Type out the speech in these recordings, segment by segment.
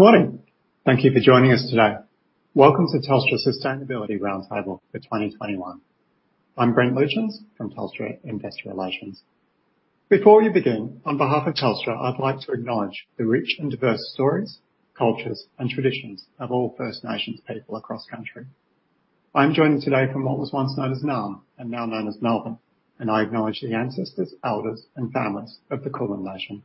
Good morning. Thank you for joining us today. Welcome to Telstra Sustainability Roundtable for 2021. I'm Brent Lioutas from Telstra Investor Relations. Before we begin, on behalf of Telstra, I'd like to acknowledge the rich and diverse stories, cultures, and traditions of all First Nations people across Country. I'm joining today from what was once known as Naarm and now known as Melbourne, and I acknowledge the ancestors, elders, and families of the Kulin Nation.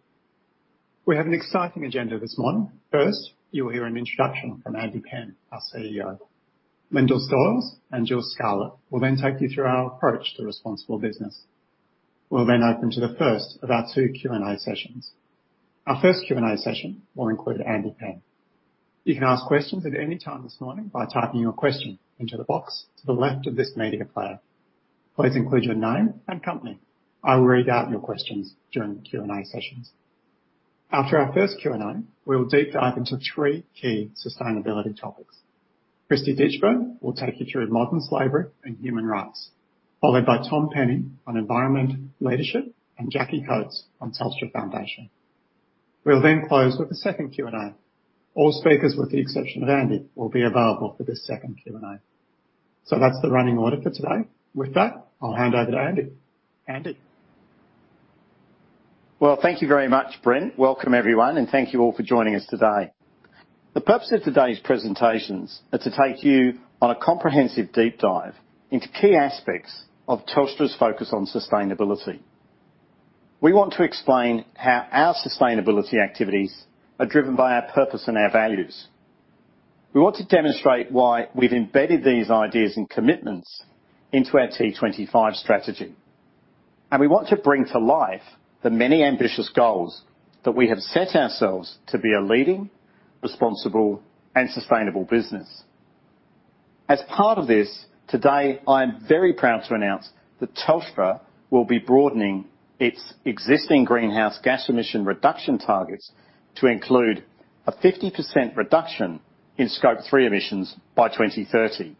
We have an exciting agenda this morning. First, you'll hear an introduction from Andrew Penn, our CEO. Lyndall Stoyles and Jules Scarlett will then take you through our approach to responsible business. We'll then open to the first of our two Q&A sessions. Our first Q&A session will include Andrew Penn. You can ask questions at any time this morning by typing your question into the box to the left of this media player. Please include your name and company. I will read out your questions during the Q&A sessions. After our first Q&A, we will deep dive into three key sustainability topics. Christie Ditchburn will take you through modern slavery and human rights, followed by Tom Penny on environmental leadership and Jackie Coates on Telstra Foundation. We'll then close with a second Q&A. All speakers, with the exception of Andy, will be available for this second Q&A. So that's the running order for today. With that, I'll hand over to Andy. Andy. Well, thank you very much, Brent. Welcome, everyone, and thank you all for joining us today. The purpose of today's presentations is to take you on a comprehensive deep dive into key aspects of Telstra's focus on sustainability. We want to explain how our sustainability activities are driven by our purpose and our values. We want to demonstrate why we've embedded these ideas and commitments into our T25 strategy. And we want to bring to life the many ambitious goals that we have set ourselves to be a leading, responsible, and sustainable business. As part of this today, I am very proud to announce that Telstra will be broadening its existing greenhouse gas emission reduction targets to include a 50% reduction in Scope 3 emissions by 2030.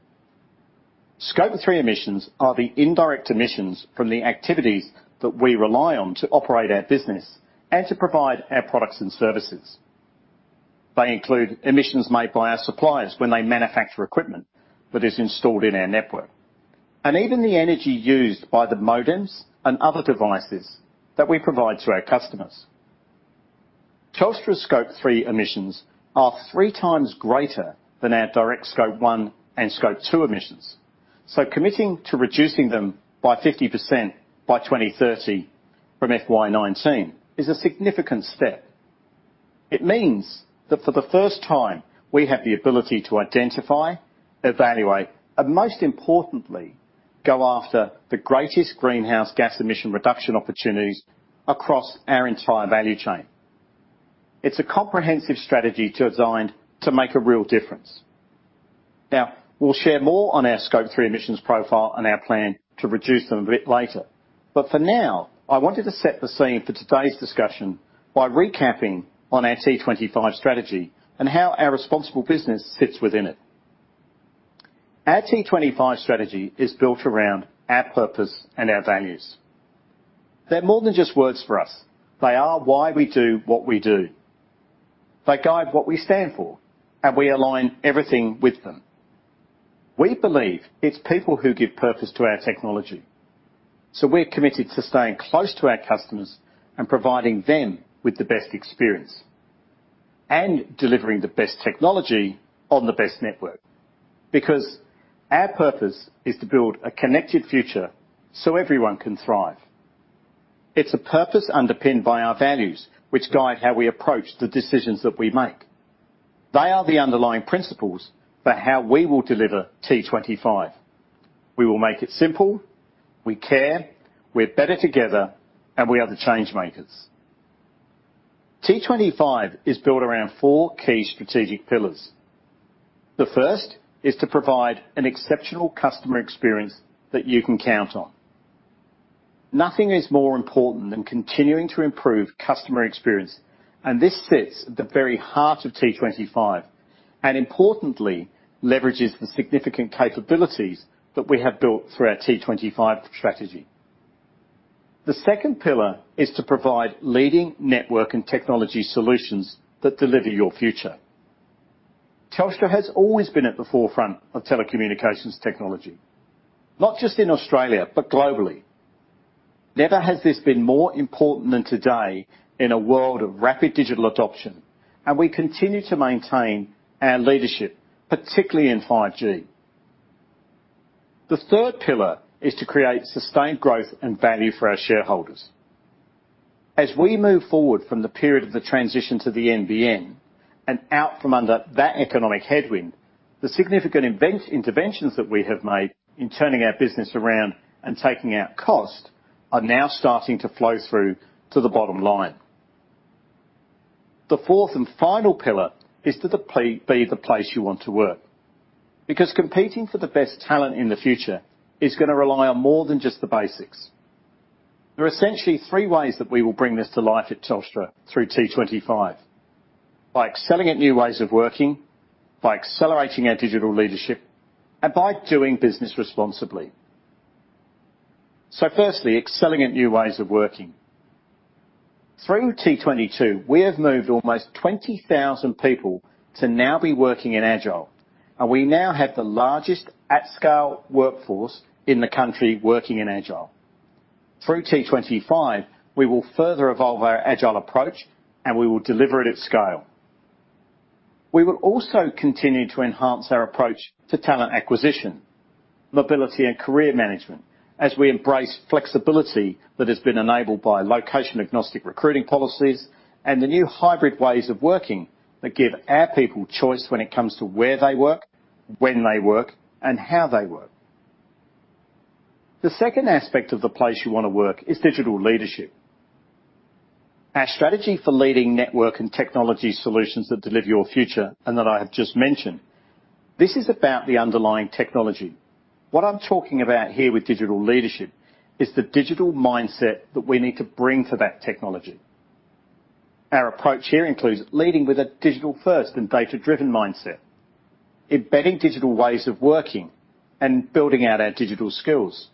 Scope 3 emissions are the indirect emissions from the activities that we rely on to operate our business and to provide our products and services. They include emissions made by our suppliers when they manufacture equipment that is installed in our network, and even the energy used by the modems and other devices that we provide to our customers. Telstra's Scope 3 emissions are three times greater than our direct Scope 1 and Scope 2 emissions. Committing to reducing them by 50% by 2030 from FY19 is a significant step. It means that for the first time, we have the ability to identify, evaluate, and most importantly, go after the greatest greenhouse gas emission reduction opportunities across our entire value chain. It's a comprehensive strategy designed to make a real difference. Now, we'll share more on our Scope 3 emissions profile and our plan to reduce them a bit later. But for now, I wanted to set the scene for today's discussion by recapping on our T25 strategy and how our responsible business sits within it. Our T25 strategy is built around our purpose and our values. They're more than just words for us. They are why we do what we do. They guide what we stand for, and we align everything with them. We believe it's people who give purpose to our technology. So we're committed to staying close to our customers and providing them with the best experience and delivering the best technology on the best network because our purpose is to build a connected future so everyone can thrive. It's a purpose underpinned by our values, which guide how we approach the decisions that we make. They are the underlying principles for how we will deliver T25. We will make it simple. We care. We're better together, and we are the change makers. T25 is built around four key strategic pillars. The first is to provide an exceptional customer experience that you can count on. Nothing is more important than continuing to improve customer experience, and this sits at the very heart of T25 and, importantly, leverages the significant capabilities that we have built through our T25 strategy. The second pillar is to provide leading network and technology solutions that deliver your future. Telstra has always been at the forefront of telecommunications technology, not just in Australia, but globally. Never has this been more important than today in a world of rapid digital adoption, and we continue to maintain our leadership, particularly in 5G. The third pillar is to create sustained growth and value for our shareholders. As we move forward from the period of the transition to the NBN and out from under that economic headwind, the significant interventions that we have made in turning our business around and taking out cost are now starting to flow through to the bottom line. The fourth and final pillar is to be the place you want to work because competing for the best talent in the future is going to rely on more than just the basics. There are essentially three ways that we will bring this to life at Telstra through T25: by excelling at new ways of working, by accelerating our digital leadership, and by doing business responsibly. So firstly, excelling at new ways of working. Through T22, we have moved almost 20,000 people to now be working in Agile, and we now have the largest at-scale workforce in the Country working in Agile. Through T25, we will further evolve our Agile approach, and we will deliver it at scale. We will also continue to enhance our approach to talent acquisition, mobility, and career management as we embrace flexibility that has been enabled by location-agnostic recruiting policies and the new hybrid ways of working that give our people choice when it comes to where they work, when they work, and how they work. The second aspect of the place you want to work is digital leadership. Our strategy for leading network and technology solutions that deliver your future and that I have just mentioned, this is about the underlying technology. What I'm talking about here with digital leadership is the digital mindset that we need to bring to that technology. Our approach here includes leading with a digital-first and data-driven mindset, embedding digital ways of working and building out our digital skills,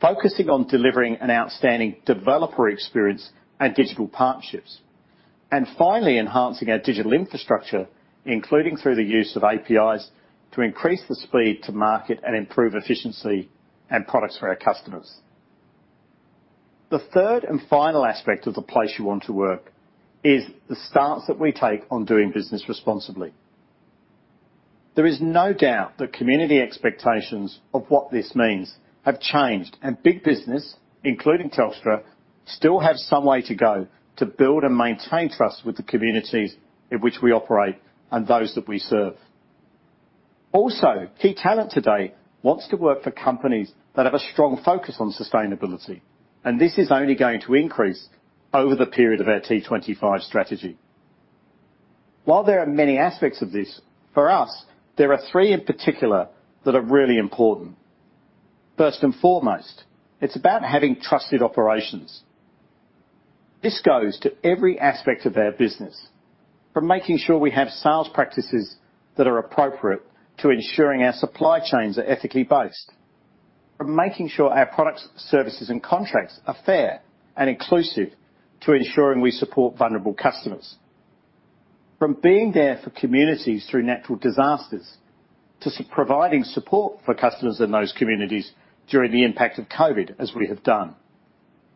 focusing on delivering an outstanding developer experience and digital partnerships, and finally enhancing our digital infrastructure, including through the use of APIs to increase the speed to market and improve efficiency and products for our customers. The third and final aspect of the place you want to work is the stance that we take on doing business responsibly. There is no doubt that community expectations of what this means have changed, and big business, including Telstra, still have some way to go to build and maintain trust with the communities in which we operate and those that we serve. Also, key talent today wants to work for companies that have a strong focus on sustainability, and this is only going to increase over the period of our T25 strategy. While there are many aspects of this, for us, there are three in particular that are really important. First and foremost, it's about having trusted operations. This goes to every aspect of our business, from making sure we have sales practices that are appropriate to ensuring our supply chains are ethically based, from making sure our products, services, and contracts are fair and inclusive to ensuring we support vulnerable customers, from being there for communities through natural disasters to providing support for customers in those communities during the impact of COVID, as we have done,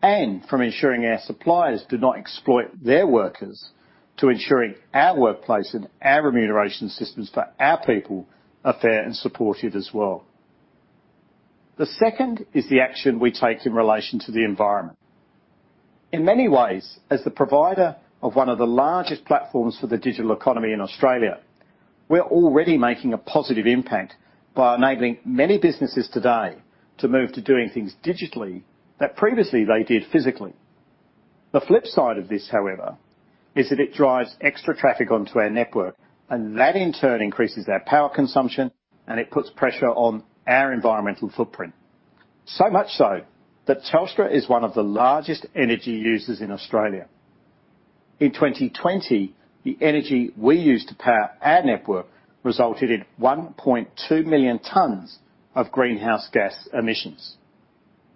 and from ensuring our suppliers do not exploit their workers to ensuring our workplace and our remuneration systems for our people are fair and supported as well. The second is the action we take in relation to the environment. In many ways, as the provider of one of the largest platforms for the digital economy in Australia, we're already making a positive impact by enabling many businesses today to move to doing things digitally that previously they did physically. The flip side of this, however, is that it drives extra traffic onto our network, and that in turn increases our power consumption, and it puts pressure on our environmental footprint. So much so that Telstra is one of the largest energy users in Australia. In 2020, the energy we used to power our network resulted in 1.2 million tons of greenhouse gas emissions.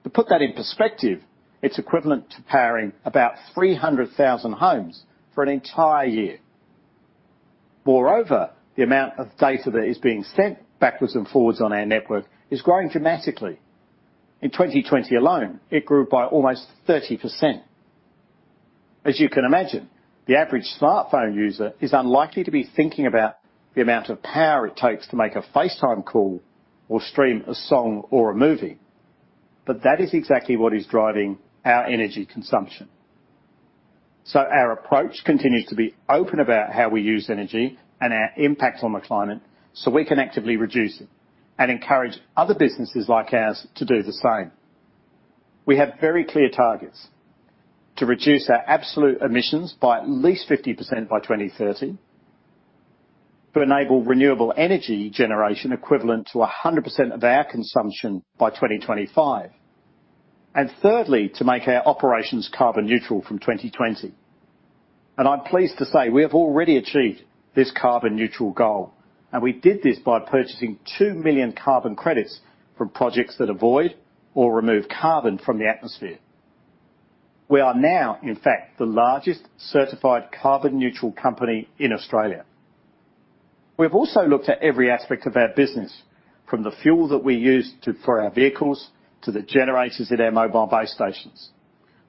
To put that in perspective, it's equivalent to powering about 300,000 homes for an entire year. Moreover, the amount of data that is being sent backwards and forwards on our network is growing dramatically. In 2020 alone, it grew by almost 30%. As you can imagine, the average smartphone user is unlikely to be thinking about the amount of power it takes to make a FaceTime call or stream a song or a movie, but that is exactly what is driving our energy consumption. Our approach continues to be open about how we use energy and our impact on the climate so we can actively reduce it and encourage other businesses like ours to do the same. We have very clear targets: to reduce our absolute emissions by at least 50% by 2030, to enable renewable energy generation equivalent to 100% of our consumption by 2025, and thirdly, to make our operations carbon neutral from 2020. I'm pleased to say we have already achieved this carbon neutral goal, and we did this by purchasing 2 million carbon credits from projects that avoid or remove carbon from the atmosphere. We are now, in fact, the largest certified carbon neutral company in Australia. We have also looked at every aspect of our business, from the fuel that we use for our vehicles to the generators at our mobile base stations,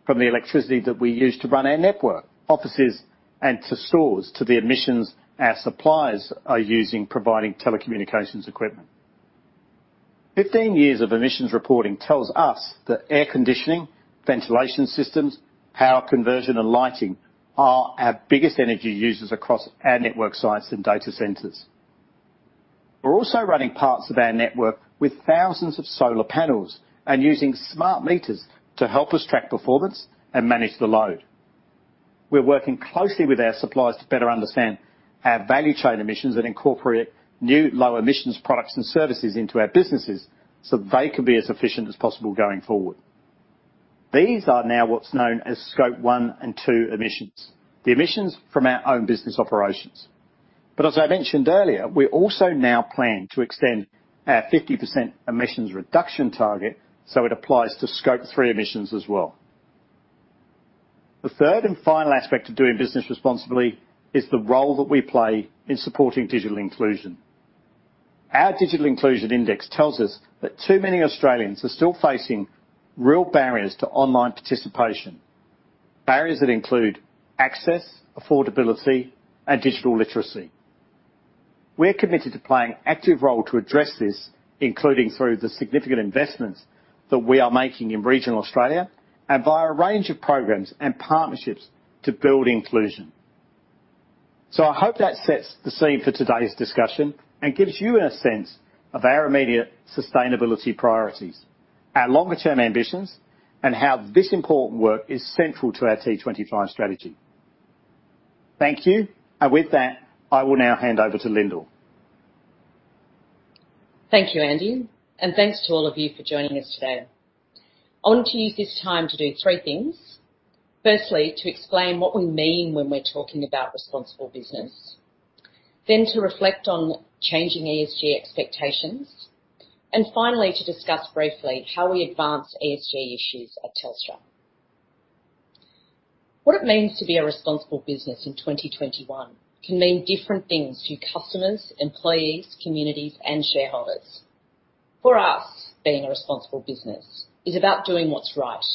from the electricity that we use to run our network, offices, and to stores to the emissions our suppliers are using providing telecommunications equipment. 15 years of emissions reporting tells us that air conditioning, ventilation systems, power conversion, and lighting are our biggest energy users across our network sites and data centers. We're also running parts of our network with thousands of solar panels and using smart meters to help us track performance and manage the load. We're working closely with our suppliers to better understand our value chain emissions and incorporate new low-emissions products and services into our businesses so they can be as efficient as possible going forward. These are now what's known as Scope 1 and 2 emissions, the emissions from our own business operations. But as I mentioned earlier, we also now plan to extend our 50% emissions reduction target so it applies to Scope 3 emissions as well. The third and final aspect of doing business responsibly is the role that we play in supporting digital inclusion. Our Digital Inclusion Index tells us that too many Australians are still facing real barriers to online participation, barriers that include access, affordability, and digital literacy. We're committed to playing an active role to address this, including through the significant investments that we are making in regional Australia and via a range of programs and partnerships to build inclusion. So I hope that sets the scene for today's discussion and gives you a sense of our immediate sustainability priorities, our longer-term ambitions, and how this important work is central to our T25 strategy. Thank you. With that, I will now hand over to Lyndall. Thank you, Andy. Thanks to all of you for joining us today. I want to use this time to do three things. Firstly, to explain what we mean when we're talking about responsible business, then to reflect on changing ESG expectations, and finally, to discuss briefly how we advance ESG issues at Telstra. What it means to be a responsible business in 2021 can mean different things to customers, employees, communities, and shareholders. For us, being a responsible business is about doing what's right,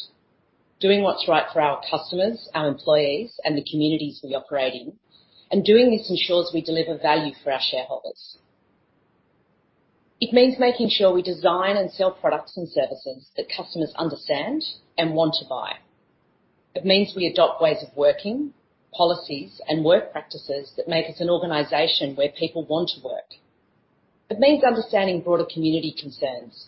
doing what's right for our customers, our employees, and the communities we operate in. Doing this ensures we deliver value for our shareholders. It means making sure we design and sell products and services that customers understand and want to buy. It means we adopt ways of working, policies, and work practices that make us an organization where people want to work. It means understanding broader community concerns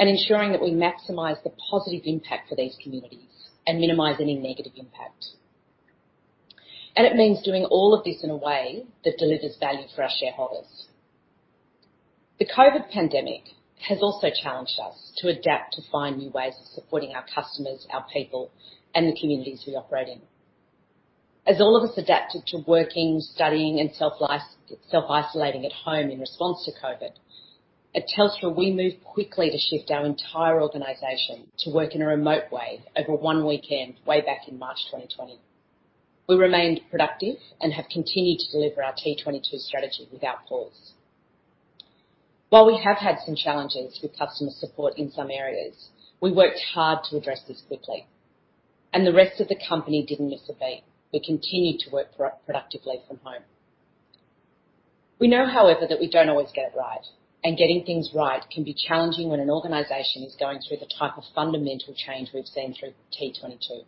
and ensuring that we maximize the positive impact for these communities and minimize any negative impact. And it means doing all of this in a way that delivers value for our shareholders. The COVID pandemic has also challenged us to adapt to find new ways of supporting our customers, our people, and the communities we operate in. As all of us adapted to working, studying, and self-isolating at home in response to COVID, at Telstra, we moved quickly to shift our entire organization to work in a remote way over one weekend way back in March 2020. We remained productive and have continued to deliver our T22 strategy without pause. While we have had some challenges with customer support in some areas, we worked hard to address this quickly, and the rest of the company didn't miss a beat. We continued to work productively from home. We know, however, that we don't always get it right, and getting things right can be challenging when an organization is going through the type of fundamental change we've seen through T22.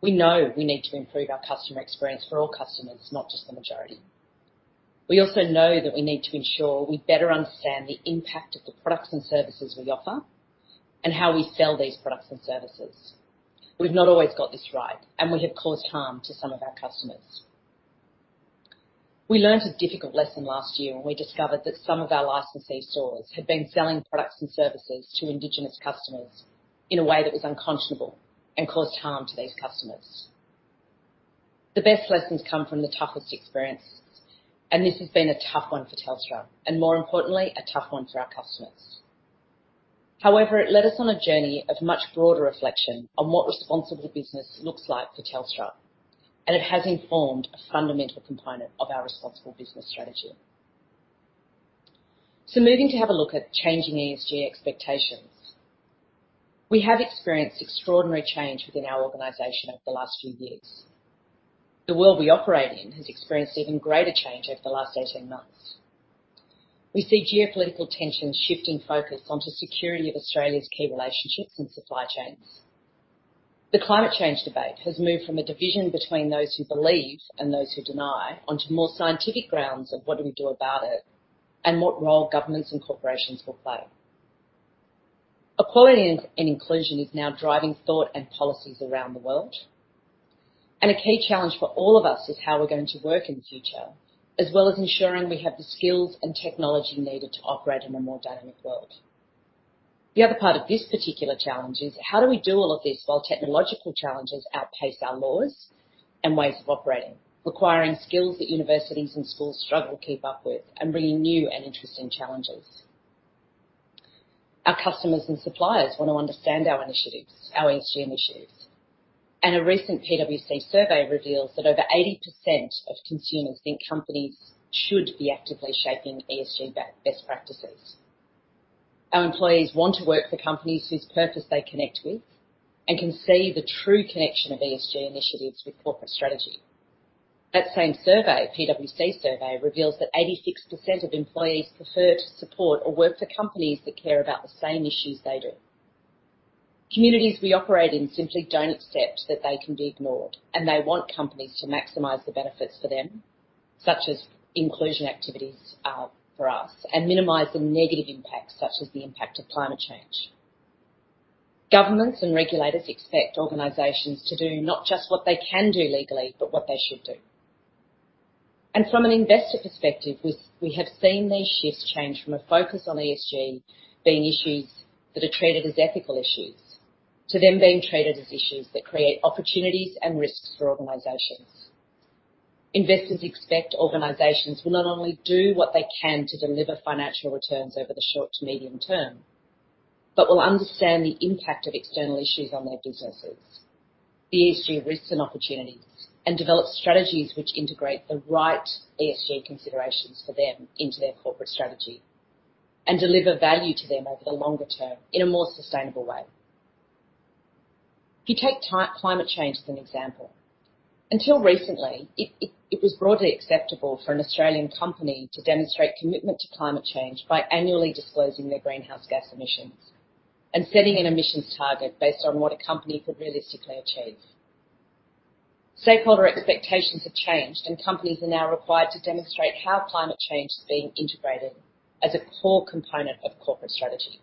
We know we need to improve our customer experience for all customers, not just the majority. We also know that we need to ensure we better understand the impact of the products and services we offer and how we sell these products and services. We've not always got this right, and we have caused harm to some of our customers. We learned a difficult lesson last year when we discovered that some of our licensee stores had been selling products and services to Indigenous customers in a way that was unconscionable and caused harm to these customers. The best lessons come from the toughest experiences, and this has been a tough one for Telstra and, more importantly, a tough one for our customers. However, it led us on a journey of much broader reflection on what responsible business looks like for Telstra, and it has informed a fundamental component of our Responsible Business Strategy. Moving to have a look at changing ESG expectations, we have experienced extraordinary change within our organization over the last few years. The world we operate in has experienced even greater change over the last 18 months. We see geopolitical tensions shifting focus onto security of Australia's key relationships and supply chains. The climate change debate has moved from a division between those who believe and those who deny onto more scientific grounds of what do we do about it and what role governments and corporations will play. Equality and inclusion is now driving thought and policies around the world, and a key challenge for all of us is how we're going to work in the future, as well as ensuring we have the skills and technology needed to operate in a more dynamic world. The other part of this particular challenge is how do we do all of this while technological challenges outpace our laws and ways of operating, requiring skills that universities and schools struggle to keep up with and bringing new and interesting challenges. Our customers and suppliers want to understand our initiatives, our ESG initiatives, and a recent PwC survey reveals that over 80% of consumers think companies should be actively shaping ESG best practices. Our employees want to work for companies whose purpose they connect with and can see the true connection of ESG initiatives with corporate strategy. That same survey, PwC survey, reveals that 86% of employees prefer to support or work for companies that care about the same issues they do. Communities we operate in simply don't accept that they can be ignored, and they want companies to maximize the benefits for them, such as inclusion activities for us, and minimize the negative impacts, such as the impact of climate change. Governments and regulators expect organizations to do not just what they can do legally, but what they should do. From an investor perspective, we have seen these shifts change from a focus on ESG being issues that are treated as ethical issues to them being treated as issues that create opportunities and risks for organizations. Investors expect organizations will not only do what they can to deliver financial returns over the short to medium term, but will understand the impact of external issues on their businesses, the ESG risks and opportunities, and develop strategies which integrate the right ESG considerations for them into their corporate strategy and deliver value to them over the longer term in a more sustainable way. If you take climate change as an example, until recently, it was broadly acceptable for an Australian company to demonstrate commitment to climate change by annually disclosing their greenhouse gas emissions and setting an emissions target based on what a company could realistically achieve. Stakeholder expectations have changed, and companies are now required to demonstrate how climate change is being integrated as a core component of corporate strategy,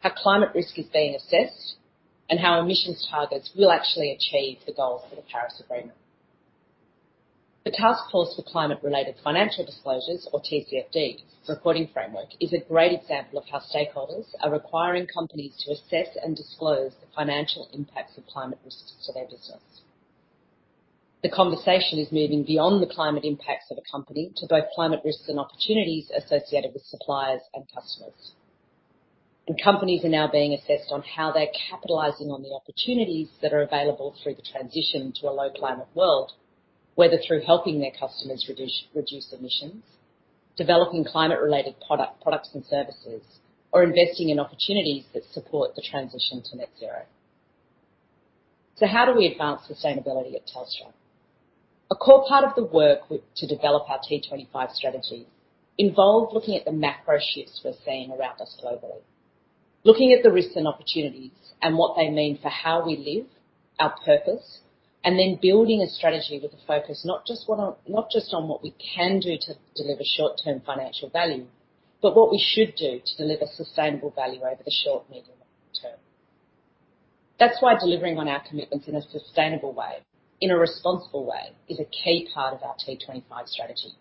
how climate risk is being assessed, and how emissions targets will actually achieve the goals for the Paris Agreement. The Task Force on Climate-related Financial Disclosures, or TCFD, reporting framework is a great example of how stakeholders are requiring companies to assess and disclose the financial impacts of climate risks to their business. The conversation is moving beyond the climate impacts of a company to both climate risks and opportunities associated with suppliers and customers. Companies are now being assessed on how they're capitalizing on the opportunities that are available through the transition to a low-climate world, whether through helping their customers reduce emissions, developing climate-related products and services, or investing in opportunities that support the transition to net zero. So how do we advance sustainability at Telstra? A core part of the work to develop our T25 strategy involved looking at the macro shifts we're seeing around us globally, looking at the risks and opportunities and what they mean for how we live, our purpose, and then building a strategy with a focus not just on what we can do to deliver short-term financial value, but what we should do to deliver sustainable value over the short, medium, and long term. That's why delivering on our commitments in a sustainable way, in a responsible way, is a key part of our T25 strategy.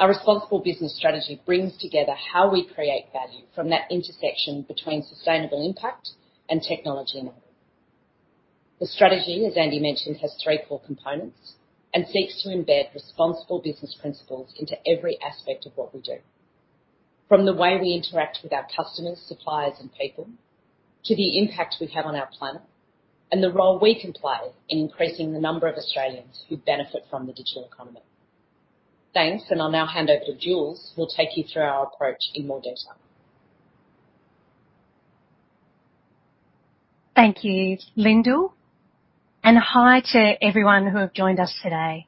Our Responsible Business Strategy brings together how we create value from that intersection between sustainable impact and technology and energy. The strategy, as Andy mentioned, has three core components and seeks to embed responsible business principles into every aspect of what we do, from the way we interact with our customers, suppliers, and people to the impact we have on our planet and the role we can play in increasing the number of Australians who benefit from the digital economy. Thanks, and I'll now hand over to Jules, who will take you through our approach in more detail. Thank you, Lyndall, and hi to everyone who has joined us today.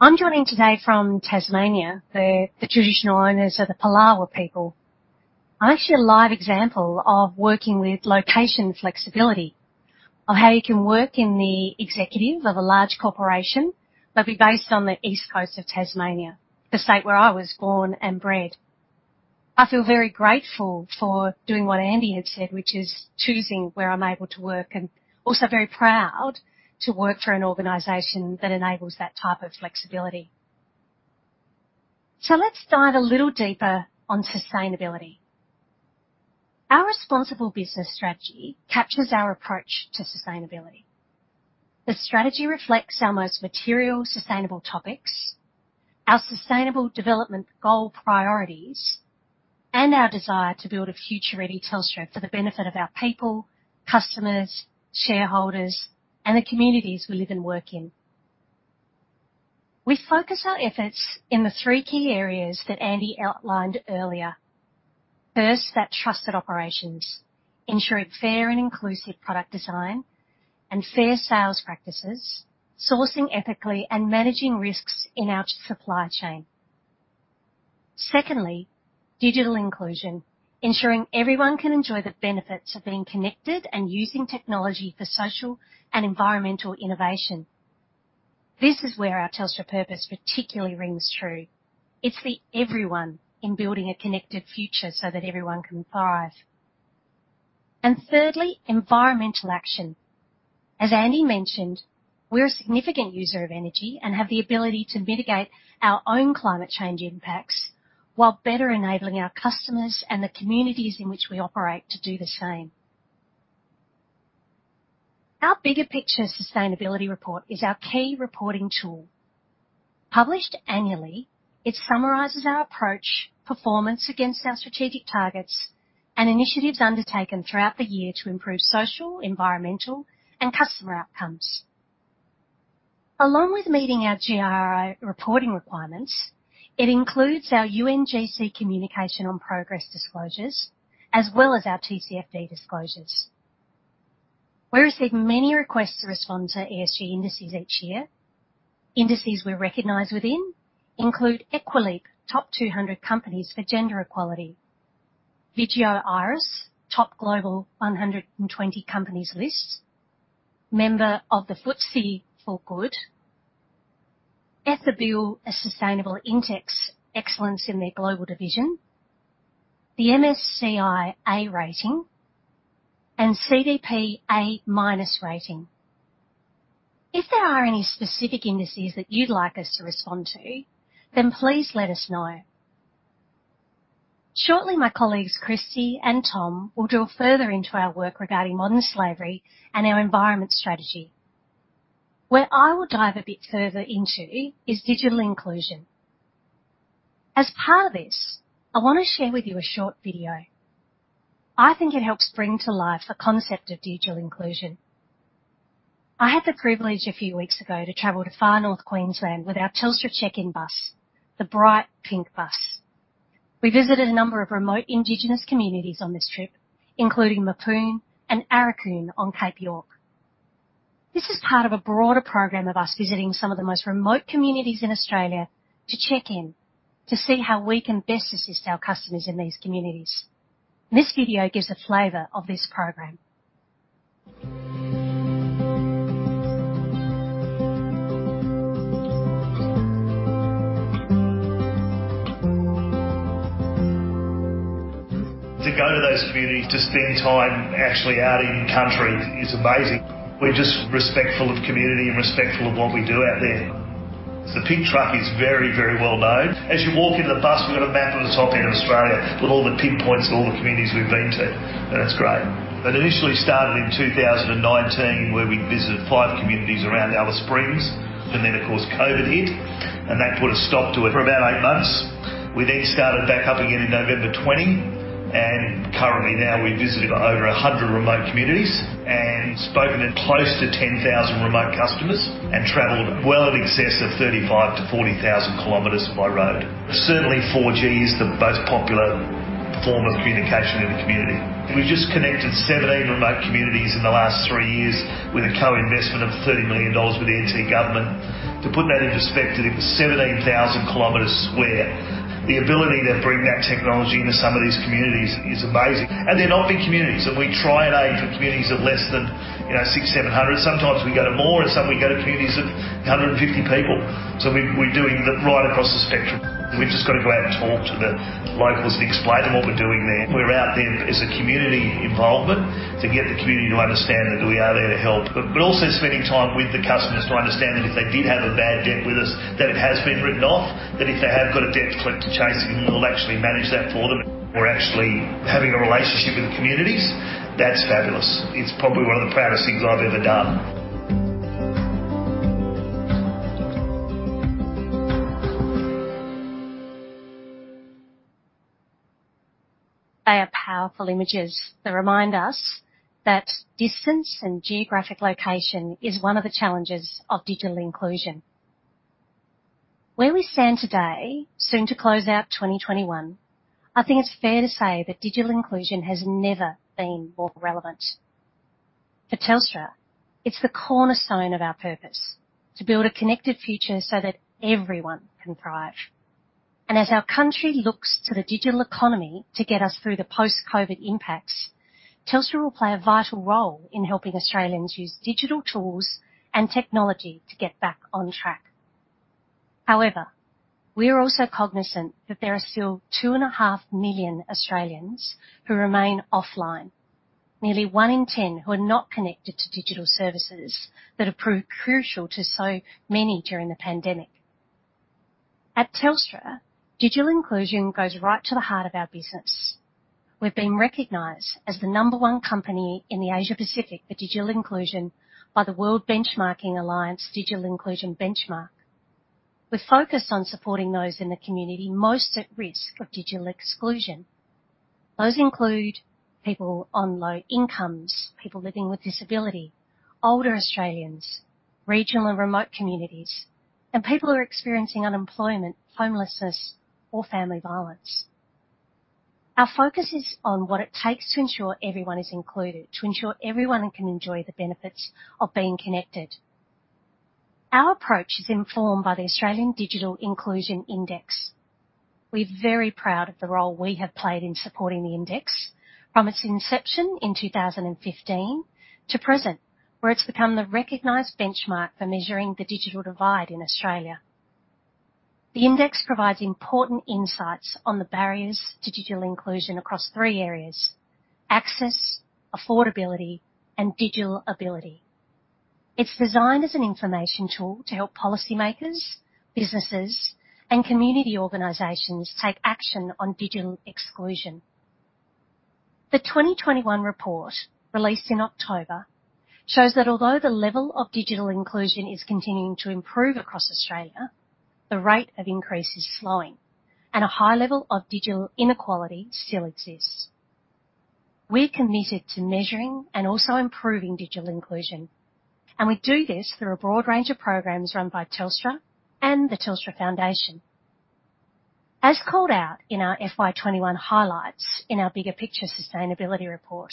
I'm joining today from Tasmania, the traditional owners of the Palawa people. I'm actually a live example of working with location flexibility, of how you can work in the executive of a large corporation that will be based on the east coast of Tasmania, the state where I was born and bred. I feel very grateful for doing what Andy had said, which is choosing where I'm able to work, and also very proud to work for an organization that enables that type of flexibility. Let's dive a little deeper on sustainability. Our Responsible Business Strategy captures our approach to sustainability. The strategy reflects our most material sustainable topics, our sustainable development goal priorities, and our desire to build a future-ready Telstra for the benefit of our people, customers, shareholders, and the communities we live and work in. We focus our efforts in the three key areas that Andy outlined earlier. First, that trusted operations, ensuring fair and inclusive product design and fair sales practices, sourcing ethically, and managing risks in our supply chain. Secondly, digital inclusion, ensuring everyone can enjoy the benefits of being connected and using technology for social and environmental innovation. This is where our Telstra purpose particularly rings true. It's the everyone in building a connected future so that everyone can thrive. And thirdly, environmental action. As Andy mentioned, we're a significant user of energy and have the ability to mitigate our own climate change impacts while better enabling our customers and the communities in which we operate to do the same. Our Bigger Picture Sustainability Report is our key reporting tool. Published annually, it summarizes our approach, performance against our strategic targets, and initiatives undertaken throughout the year to improve social, environmental, and customer outcomes. Along with meeting our GRI reporting requirements, it includes our UNGC Communication on Progress disclosures, as well as our TCFD disclosures. We receive many requests to respond to ESG indices each year. Indices we're recognized within include Equileap, top 200 companies for gender equality, Vigeo Eiris, top global 120 companies list, member of the FTSE4Good, Ethibel, a sustainable index excellence in their global division, the MSCI A rating, and CDP A-rating. If there are any specific indices that you'd like us to respond to, then please let us know. Shortly, my colleagues Christie and Tom will drill further into our work regarding modern slavery and our environment strategy. Where I will dive a bit further into is digital inclusion. As part of this, I want to share with you a short video. I think it helps bring to life the concept of digital inclusion. I had the privilege a few weeks ago to travel to Far North Queensland with our Telstra check-in bus, the bright pink bus. We visited a number of remote Indigenous communities on this trip, including Mapoon and Aurukun on Cape York. This is part of a broader program of us visiting some of the most remote communities in Australia to check in, to see how we can best assist our customers in these communities. This video gives a flavor of this program. To go to those communities, to spend time actually out in Country, it's amazing. We're just respectful of community and respectful of what we do out there. The pink truck is very, very well known. As you walk into the bus, we've got a map of the Top End of Australia with all the pinpoints of all the communities we've been to, and it's great. It initially started in 2019, where we visited five communities around Alice Springs, and then, of course, COVID hit, and that put a stop to it for about eight months. We then started back up again in November 2020, and currently now we've visited over 100 remote communities and spoken to close to 10,000 remote customers and traveled well in excess of 35,000-40,000 kilometers by road. Certainly, 4G is the most popular form of communication in the community. We've just connected 17 remote communities in the last 3 years with a co-investment of 30 million dollars with the NT Government. To put that into perspective, it was 17,000 square kilometers. The ability to bring that technology into some of these communities is amazing. They're not big communities, and we try and aim for communities of less than 600, 700. Sometimes we go to more, and some we go to communities of 150 people. So we're doing right across the spectrum. We've just got to go out and talk to the locals and explain to them what we're doing there. We're out there as a community involvement to get the community to understand that we are there to help, but also spending time with the customers to understand that if they did have a bad debt with us, that it has been written off, that if they have got a debt to chase in, we'll actually manage that for them. We're actually having a relationship with the communities. That's fabulous. It's probably one of the proudest things I've ever done. They are powerful images that remind us that distance and geographic location is one of the challenges of digital inclusion. Where we stand today, soon to close out 2021, I think it's fair to say that digital inclusion has never been more relevant. For Telstra, it's the cornerstone of our purpose to build a connected future so that everyone can thrive. As our Country looks to the digital economy to get us through the post-COVID impacts, Telstra will play a vital role in helping Australians use digital tools and technology to get back on track. However, we are also cognizant that there are still 2.5 million Australians who remain offline, nearly 1 in 10 who are not connected to digital services that are crucial to so many during the pandemic. At Telstra, digital inclusion goes right to the heart of our business. We've been recognized as the number 1 company in the Asia-Pacific for digital inclusion by the World Benchmarking Alliance Digital Inclusion Benchmark. We're focused on supporting those in the community most at risk of digital exclusion. Those include people on low incomes, people living with disability, older Australians, regional and remote communities, and people who are experiencing unemployment, homelessness, or family violence. Our focus is on what it takes to ensure everyone is included, to ensure everyone can enjoy the benefits of being connected. Our approach is informed by the Australian Digital Inclusion Index. We're very proud of the role we have played in supporting the index from its inception in 2015 to present, where it's become the recognized benchmark for measuring the digital divide in Australia. The index provides important insights on the barriers to digital inclusion across three areas: access, affordability, and digital ability. It's designed as an information tool to help policymakers, businesses, and community organizations take action on digital exclusion. The 2021 report, released in October, shows that although the level of digital inclusion is continuing to improve across Australia, the rate of increase is slowing, and a high level of digital inequality still exists. We're committed to measuring and also improving digital inclusion, and we do this through a broad range of programs run by Telstra and the Telstra Foundation. As called out in our FY21 highlights in our Bigger Picture Sustainability Report,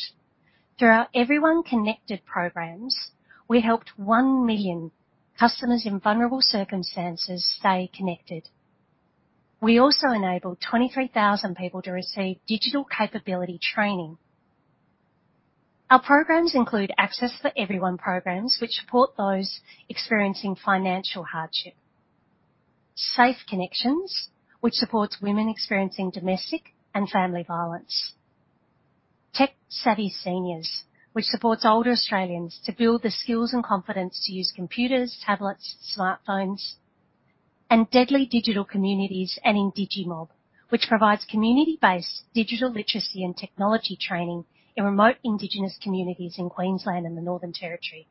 through our Everyone Connected programs, we helped 1 million customers in vulnerable circumstances stay connected. We also enabled 23,000 people to receive digital capability training. Our programs include Access for Everyone programs, which support those experiencing financial hardship. Safe Connections, which supports women experiencing domestic and family violence. Tech Savvy Seniors, which supports older Australians to build the skills and confidence to use computers, tablets, smartphones. And Deadly Digital Communities and IndigiMob, which provides community-based digital literacy and technology training in remote Indigenous communities in Queensland and the Northern Territory.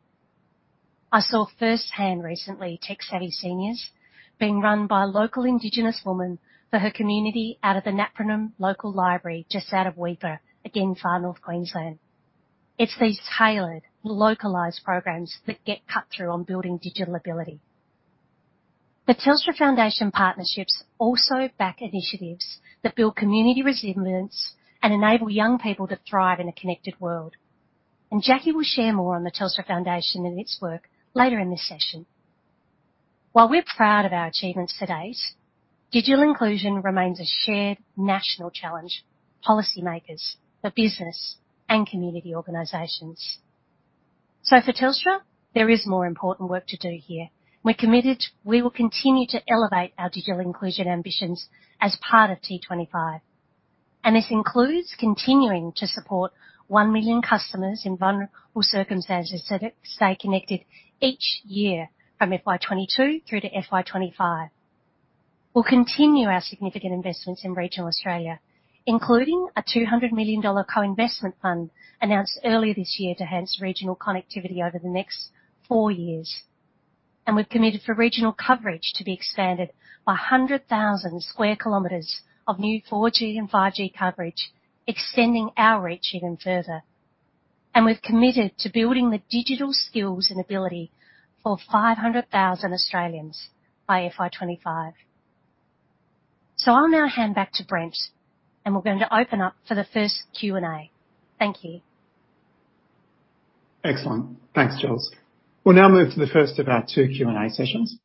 I saw firsthand recently Tech Savvy Seniors being run by a local Indigenous woman for her community out of the Napranum Local Library, just out of Weipa, again Far North Queensland. It's these tailored, localized programs that get cut through on building digital ability. The Telstra Foundation Partnerships also back initiatives that build community resilience and enable young people to thrive in a connected world. Jackie will share more on the Telstra Foundation and its work later in this session. While we're proud of our achievements to date, digital inclusion remains a shared national challenge for policymakers, for business, and community organizations. So for Telstra, there is more important work to do here. We're committed. We will continue to elevate our digital inclusion ambitions as part of T25. And this includes continuing to support 1 million customers in vulnerable circumstances to stay connected each year from FY22 through to FY25. We'll continue our significant investments in regional Australia, including a 200 million dollar co-investment fund announced earlier this year to enhance regional connectivity over the next 4 years. And we've committed for regional coverage to be expanded by 100,000 sq km of new 4G and 5G coverage, extending our reach even further. And we've committed to building the digital skills and ability for 500,000 Australians by FY25. I'll now hand back to Brent, and we're going to open up for the first Q&A. Thank you. Excellent. Thanks, Jules. We'll now move to the first of our two Q&A sessions.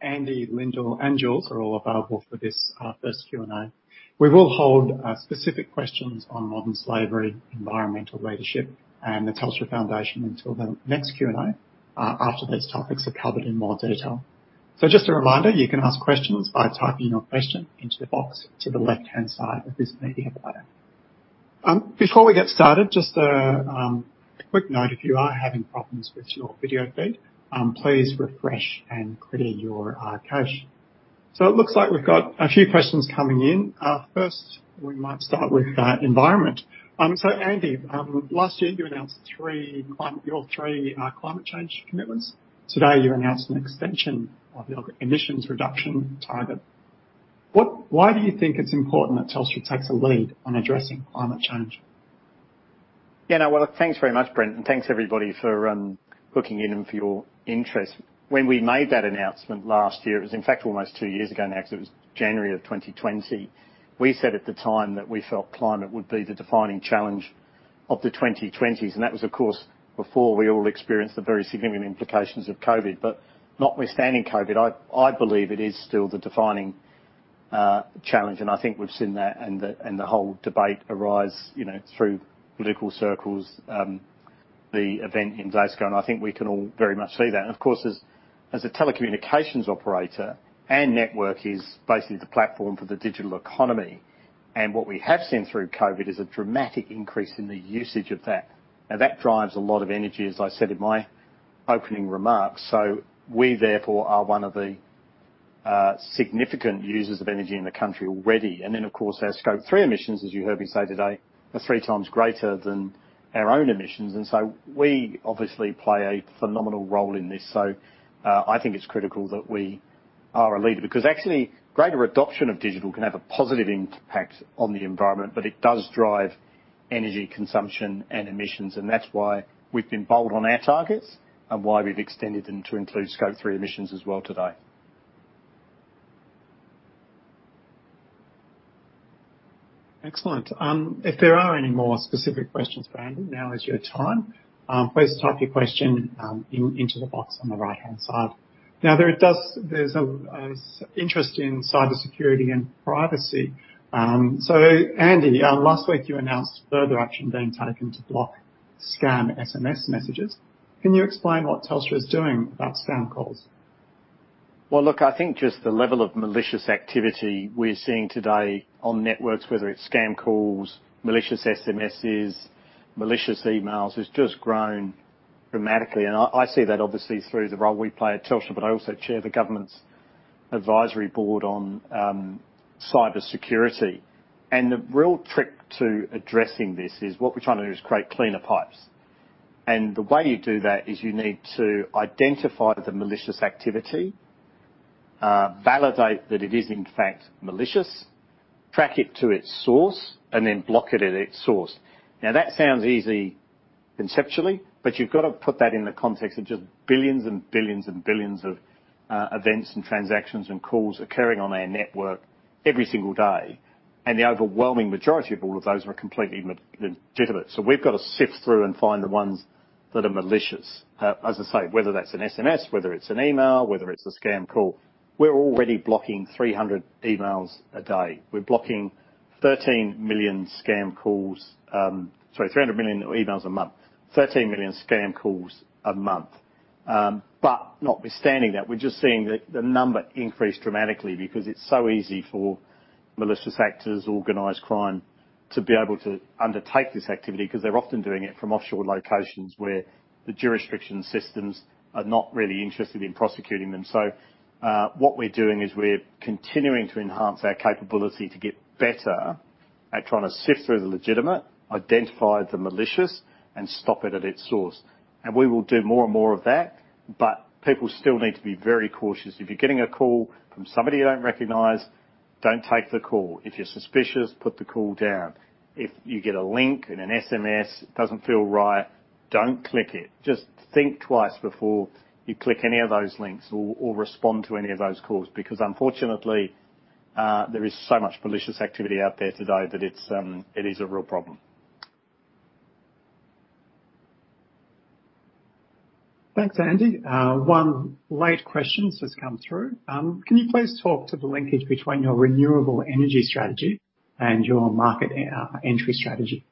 Andy, Lyndall, and Jules are all available for this first Q&A. We will hold specific questions on modern slavery, environmental leadership, and the Telstra Foundation until the next Q&A after those topics are covered in more detail. So just a reminder, you can ask questions by typing your question into the box to the left-hand side of this media player. Before we get started, just a quick note: if you are having problems with your video feed, please refresh and clear your cache. So it looks like we've got a few questions coming in. First, we might start with environment. So Andy, last year you announced your three climate change commitments. Today you announced an extension of your emissions reduction target. Why do you think it's important that Telstra takes a lead on addressing climate change? Yeah, well, thanks very much, Brent, and thanks everybody for hooking in and for your interest. When we made that announcement last year, it was in fact almost two years ago now because it was January of 2020, we said at the time that we felt climate would be the defining challenge of the 2020s. And that was, of course, before we all experienced the very significant implications of COVID. But notwithstanding COVID, I believe it is still the defining challenge. And I think we've seen that and the whole debate arise through political circles, the event in Glasgow, and I think we can all very much see that. And of course, as a telecommunications operator, our network is basically the platform for the digital economy. And what we have seen through COVID is a dramatic increase in the usage of that. Now, that drives a lot of energy, as I said in my opening remarks. We, therefore, are one of the significant users of energy in the Country already. Then, of course, our Scope 3 emissions, as you heard me say today, are three times greater than our own emissions. We obviously play a phenomenal role in this. I think it's critical that we are a leader because actually greater adoption of digital can have a positive impact on the environment, but it does drive energy consumption and emissions. That's why we've been bold on our targets and why we've extended them to include Scope 3 emissions as well today. Excellent. If there are any more specific questions for Andy, now is your time. Please type your question into the box on the right-hand side. Now, there is interest in cybersecurity and privacy. So Andy, last week you announced further action being taken to block scam SMS messages. Can you explain what Telstra is doing about scam calls? Well, look, I think just the level of malicious activity we're seeing today on networks, whether it's scam calls, malicious SMSs, malicious emails, has just grown dramatically. And I see that obviously through the role we play at Telstra, but I also chair the government's advisory board on cybersecurity. And the real trick to addressing this is what we're trying to do is create cleaner pipes. And the way you do that is you need to identify the malicious activity, validate that it is in fact malicious, track it to its source, and then block it at its source. Now, that sounds easy conceptually, but you've got to put that in the context of just billions and billions and billions of events and transactions and calls occurring on our network every single day. And the overwhelming majority of all of those are completely legitimate. So we've got to sift through and find the ones that are malicious. As I say, whether that's an SMS, whether it's an email, whether it's a scam call, we're already blocking 300 emails a day. We're blocking 13 million scam calls, sorry, 300 million emails a month, 13 million scam calls a month. But notwithstanding that, we're just seeing the number increase dramatically because it's so easy for malicious actors, organized crime, to be able to undertake this activity because they're often doing it from offshore locations where the jurisdiction systems are not really interested in prosecuting them. So what we're doing is we're continuing to enhance our capability to get better at trying to sift through the legitimate, identify the malicious, and stop it at its source. And we will do more and more of that, but people still need to be very cautious. If you're getting a call from somebody you don't recognize, don't take the call. If you're suspicious, put the call down. If you get a link in an SMS, it doesn't feel right, don't click it. Just think twice before you click any of those links or respond to any of those calls because unfortunately, there is so much malicious activity out there today that it is a real problem. Thanks, Andy. One late question has come through. Can you please talk to the linkage between your renewable energy strategy and your market entry strategy?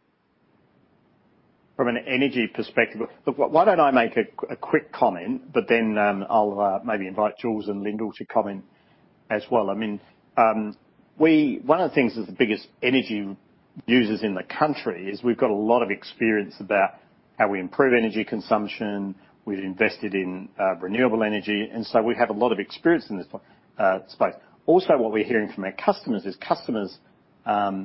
From an energy perspective, look, why don't I make a quick comment, but then I'll maybe invite Jules and Lyndall to comment as well. I mean, one of the things that the biggest energy users in the Country is we've got a lot of experience about how we improve energy consumption. We've invested in renewable energy, and so we have a lot of experience in this space. Also, what we're hearing from our customers is customers are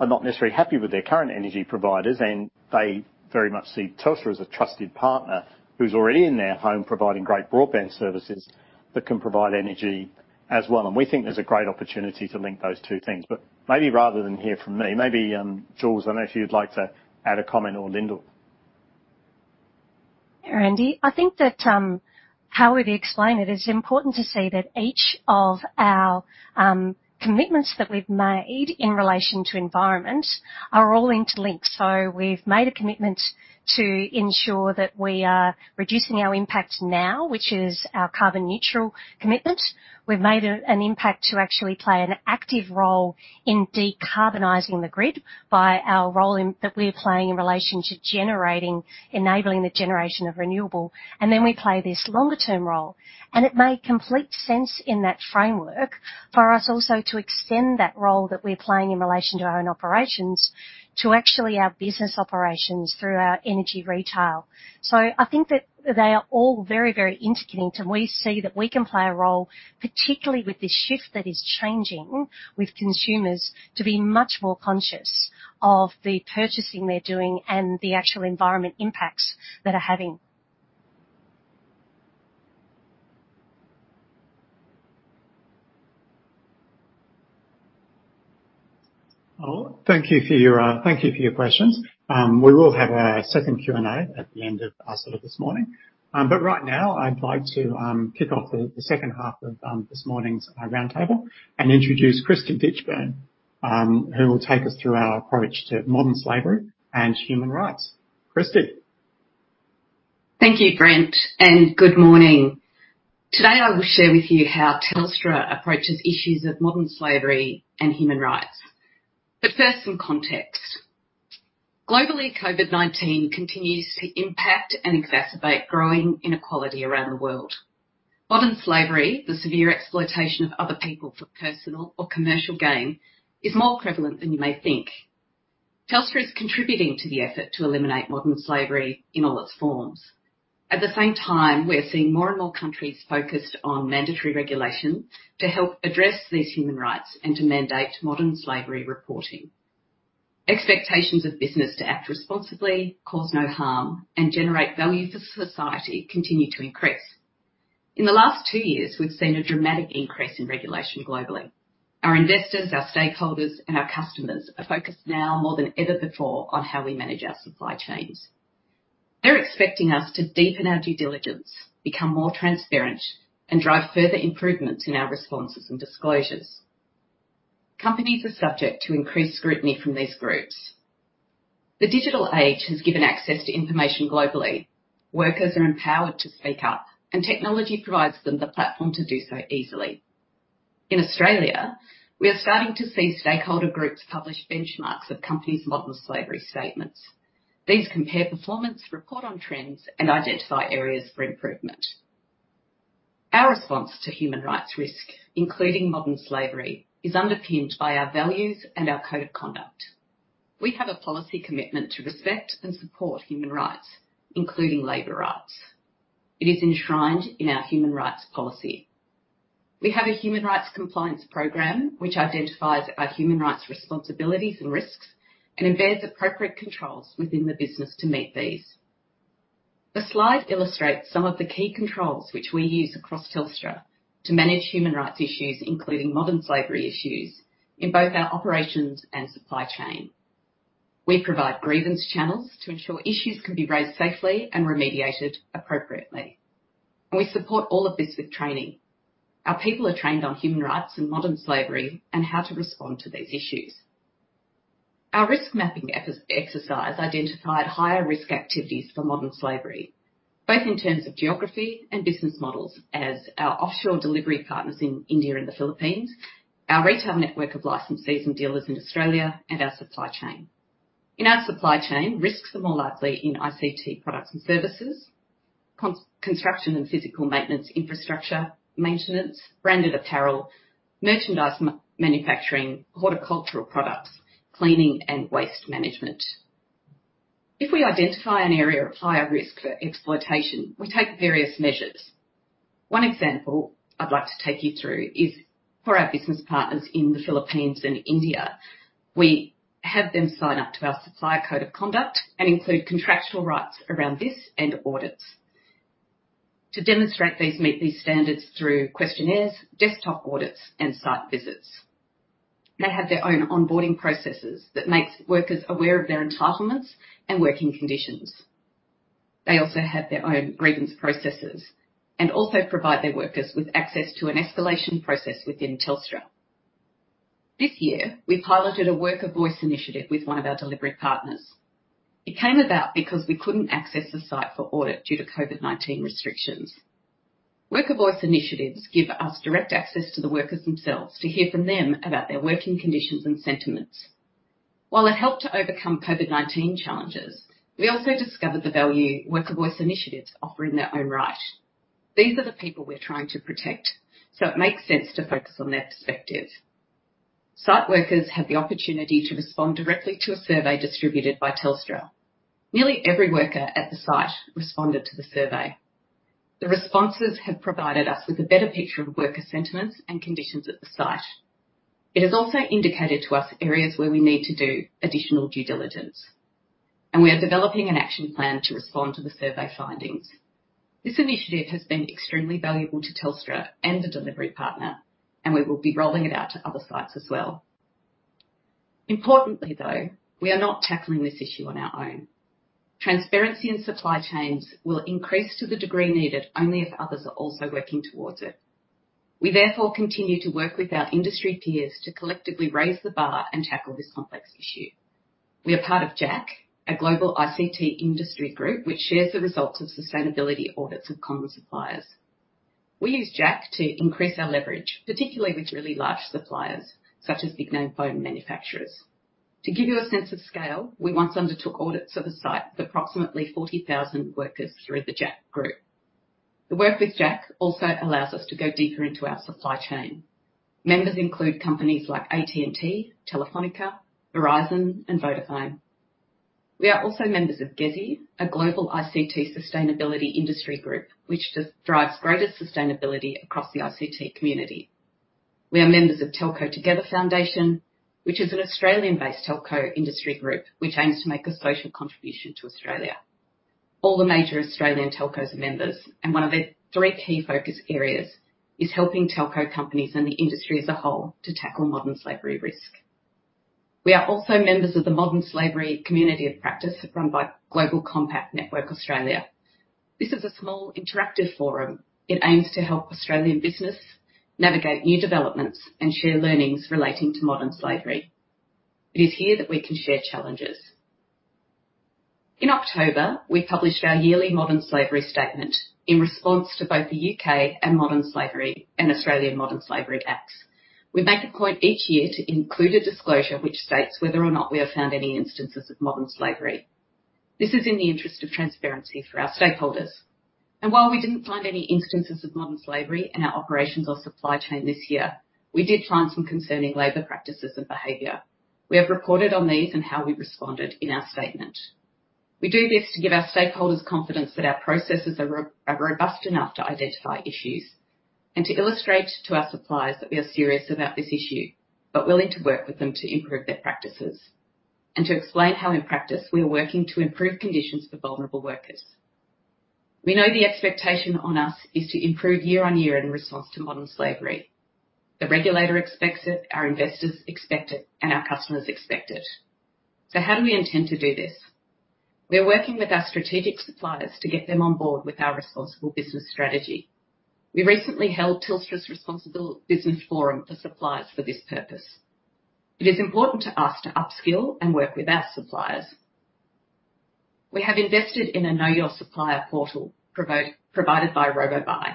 not necessarily happy with their current energy providers, and they very much see Telstra as a trusted partner who's already in their home providing great broadband services that can provide energy as well. And we think there's a great opportunity to link those two things. But maybe rather than hear from me, maybe Jules, I don't know if you'd like to add a comment or Lyndall. Yeah, Andy. I think that how we've explained it is important to see that each of our commitments that we've made in relation to environment are all interlinked. So we've made a commitment to ensure that we are reducing our impact now, which is our carbon neutral commitment. We've made an impact to actually play an active role in decarbonizing the grid by our role that we're playing in relation to enabling the generation of renewable. And then we play this longer-term role. And it made complete sense in that framework for us also to extend that role that we're playing in relation to our own operations to actually our business operations through our energy retail. So I think that they are all very, very interconnected. We see that we can play a role, particularly with this shift that is changing with consumers, to be much more conscious of the purchasing they're doing and the actual environmental impacts that are having. Thank you for your questions. We will have a second Q&A at the end of our slot this morning. But right now, I'd like to kick off the second half of this morning's roundtable and introduce Christie Ditchburn, who will take us through our approach to modern slavery and human rights. Christie. Thank you, Brent, and good morning. Today I will share with you how Telstra approaches issues of modern slavery and human rights. But first, some context. Globally, COVID-19 continues to impact and exacerbate growing inequality around the world. Modern slavery, the severe exploitation of other people for personal or commercial gain, is more prevalent than you may think. Telstra is contributing to the effort to eliminate modern slavery in all its forms. At the same time, we're seeing more and more countries focused on mandatory regulation to help address these human rights and to mandate modern slavery reporting. Expectations of business to act responsibly, cause no harm, and generate value for society continue to increase. In the last two years, we've seen a dramatic increase in regulation globally. Our investors, our stakeholders, and our customers are focused now more than ever before on how we manage our supply chains. They're expecting us to deepen our due diligence, become more transparent, and drive further improvements in our responses and disclosures. Companies are subject to increased scrutiny from these groups. The digital age has given access to information globally. Workers are empowered to speak up, and technology provides them the platform to do so easily. In Australia, we are starting to see stakeholder groups publish benchmarks of companies' Modern Slavery Statements. These compare performance, report on trends, and identify areas for improvement. Our response to human rights risk, including modern slavery, is underpinned by our values and our code of conduct. We have a policy commitment to respect and support human rights, including labor rights. It is enshrined in our Human Rights Policy. We have a human rights compliance program, which identifies our human rights responsibilities and risks and embeds appropriate controls within the business to meet these. The slide illustrates some of the key controls which we use across Telstra to manage human rights issues, including modern slavery issues, in both our operations and supply chain. We provide grievance channels to ensure issues can be raised safely and remediated appropriately. We support all of this with training. Our people are trained on human rights and modern slavery and how to respond to these issues. Our risk mapping exercise identified higher-risk activities for modern slavery, both in terms of geography and business models, as our offshore delivery partners in India and the Philippines, our retail network of licensees and dealers in Australia, and our supply chain. In our supply chain, risks are more likely in ICT products and services, construction and physical maintenance infrastructure, maintenance, branded apparel, merchandise manufacturing, horticultural products, cleaning, and waste management. If we identify an area of higher risk for exploitation, we take various measures. One example I'd like to take you through is for our business partners in the Philippines and India. We have them sign up to our Supplier Code of Conduct and include contractual rights around this and audits to demonstrate these meet these standards through questionnaires, desktop audits, and site visits. They have their own onboarding processes that make workers aware of their entitlements and working conditions. They also have their own grievance processes and also provide their workers with access to an escalation process within Telstra. This year, we piloted a worker voice initiative with one of our delivery partners. It came about because we couldn't access the site for audit due to COVID-19 restrictions. Worker voice initiatives give us direct access to the workers themselves to hear from them about their working conditions and sentiments. While it helped to overcome COVID-19 challenges, we also discovered the value worker voice initiatives offer in their own right. These are the people we're trying to protect, so it makes sense to focus on their perspective. Site workers have the opportunity to respond directly to a survey distributed by Telstra. Nearly every worker at the site responded to the survey. The responses have provided us with a better picture of worker sentiments and conditions at the site. It has also indicated to us areas where we need to do additional due diligence. We are developing an action plan to respond to the survey findings. This initiative has been extremely valuable to Telstra and the delivery partner, and we will be rolling it out to other sites as well. Importantly, though, we are not tackling this issue on our own. Transparency in supply chains will increase to the degree needed only if others are also working towards it. We therefore continue to work with our industry peers to collectively raise the bar and tackle this complex issue. We are part of JAC, a global ICT industry group which shares the results of sustainability audits of common suppliers. We use JAC to increase our leverage, particularly with really large suppliers such as big-name phone manufacturers. To give you a sense of scale, we once undertook audits of a site with approximately 40,000 workers through the JAC group. The work with JAC also allows us to go deeper into our supply chain. Members include companies like AT&T, Telefónica, Verizon, and Vodafone. We are also members of GeSI, a global ICT sustainability industry group which drives greater sustainability across the ICT community. We are members of Telco Together Foundation, which is an Australian-based telco industry group which aims to make a social contribution to Australia. All the major Australian telcos are members, and one of their three key focus areas is helping telco companies and the industry as a whole to tackle modern slavery risk. We are also members of the Modern Slavery Community of Practice run by Global Compact Network Australia. This is a small interactive forum. It aims to help Australian business navigate new developments and share learnings relating to modern slavery. It is here that we can share challenges. In October, we published our yearly Modern Slavery Statement in response to both the UK and Australian Modern Slavery Acts. We make a point each year to include a disclosure which states whether or not we have found any instances of modern slavery. This is in the interest of transparency for our stakeholders. While we didn't find any instances of modern slavery in our operations or supply chain this year, we did find some concerning labor practices and behavior. We have reported on these and how we responded in our statement. We do this to give our stakeholders confidence that our processes are robust enough to identify issues and to illustrate to our suppliers that we are serious about this issue but willing to work with them to improve their practices and to explain how in practice we are working to improve conditions for vulnerable workers. We know the expectation on us is to improve year on year in response to modern slavery. The regulator expects it, our investors expect it, and our customers expect it. So how do we intend to do this? We are working with our strategic suppliers to get them on board with our Responsible Business Strategy. We recently held Telstra's Responsible Business Forum for suppliers for this purpose. It is important to us to upskill and work with our suppliers. We have invested in a Know Your Supplier portal provided by Robobai.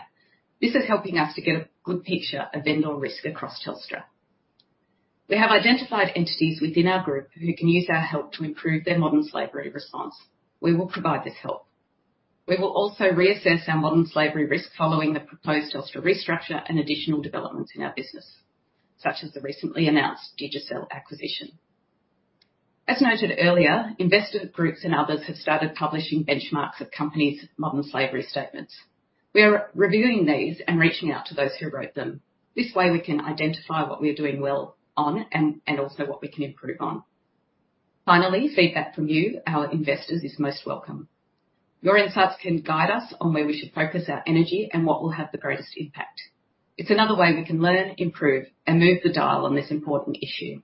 This is helping us to get a good picture, of vendor risk across Telstra. We have identified entities within our group who can use our help to improve their modern slavery response. We will provide this help. We will also reassess our modern slavery risk following the proposed Telstra restructure and additional developments in our business, such as the recently announced Digicel acquisition. As noted earlier, investor groups and others have started publishing benchmarks of companies' Modern Slavery Statements. We are reviewing these and reaching out to those who wrote them. This way, we can identify what we are doing well on and also what we can improve on. Finally, feedback from you, our investors, is most welcome. Your insights can guide us on where we should focus our energy and what will have the greatest impact. It's another way we can learn, improve, and move the dial on this important issue.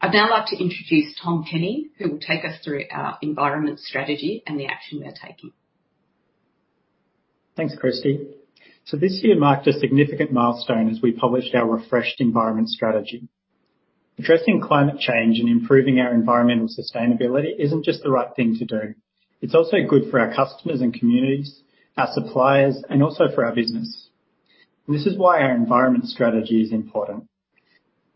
I'd now like to introduce Tom Penny, who will take us through our environment strategy and the action we're taking. Thanks, Kirsty. This year marked a significant milestone as we published our refreshed environmental strategy. Addressing climate change and improving our environmental sustainability isn't just the right thing to do. It's also good for our customers and communities, our suppliers, and also for our business. This is why our environmental strategy is important.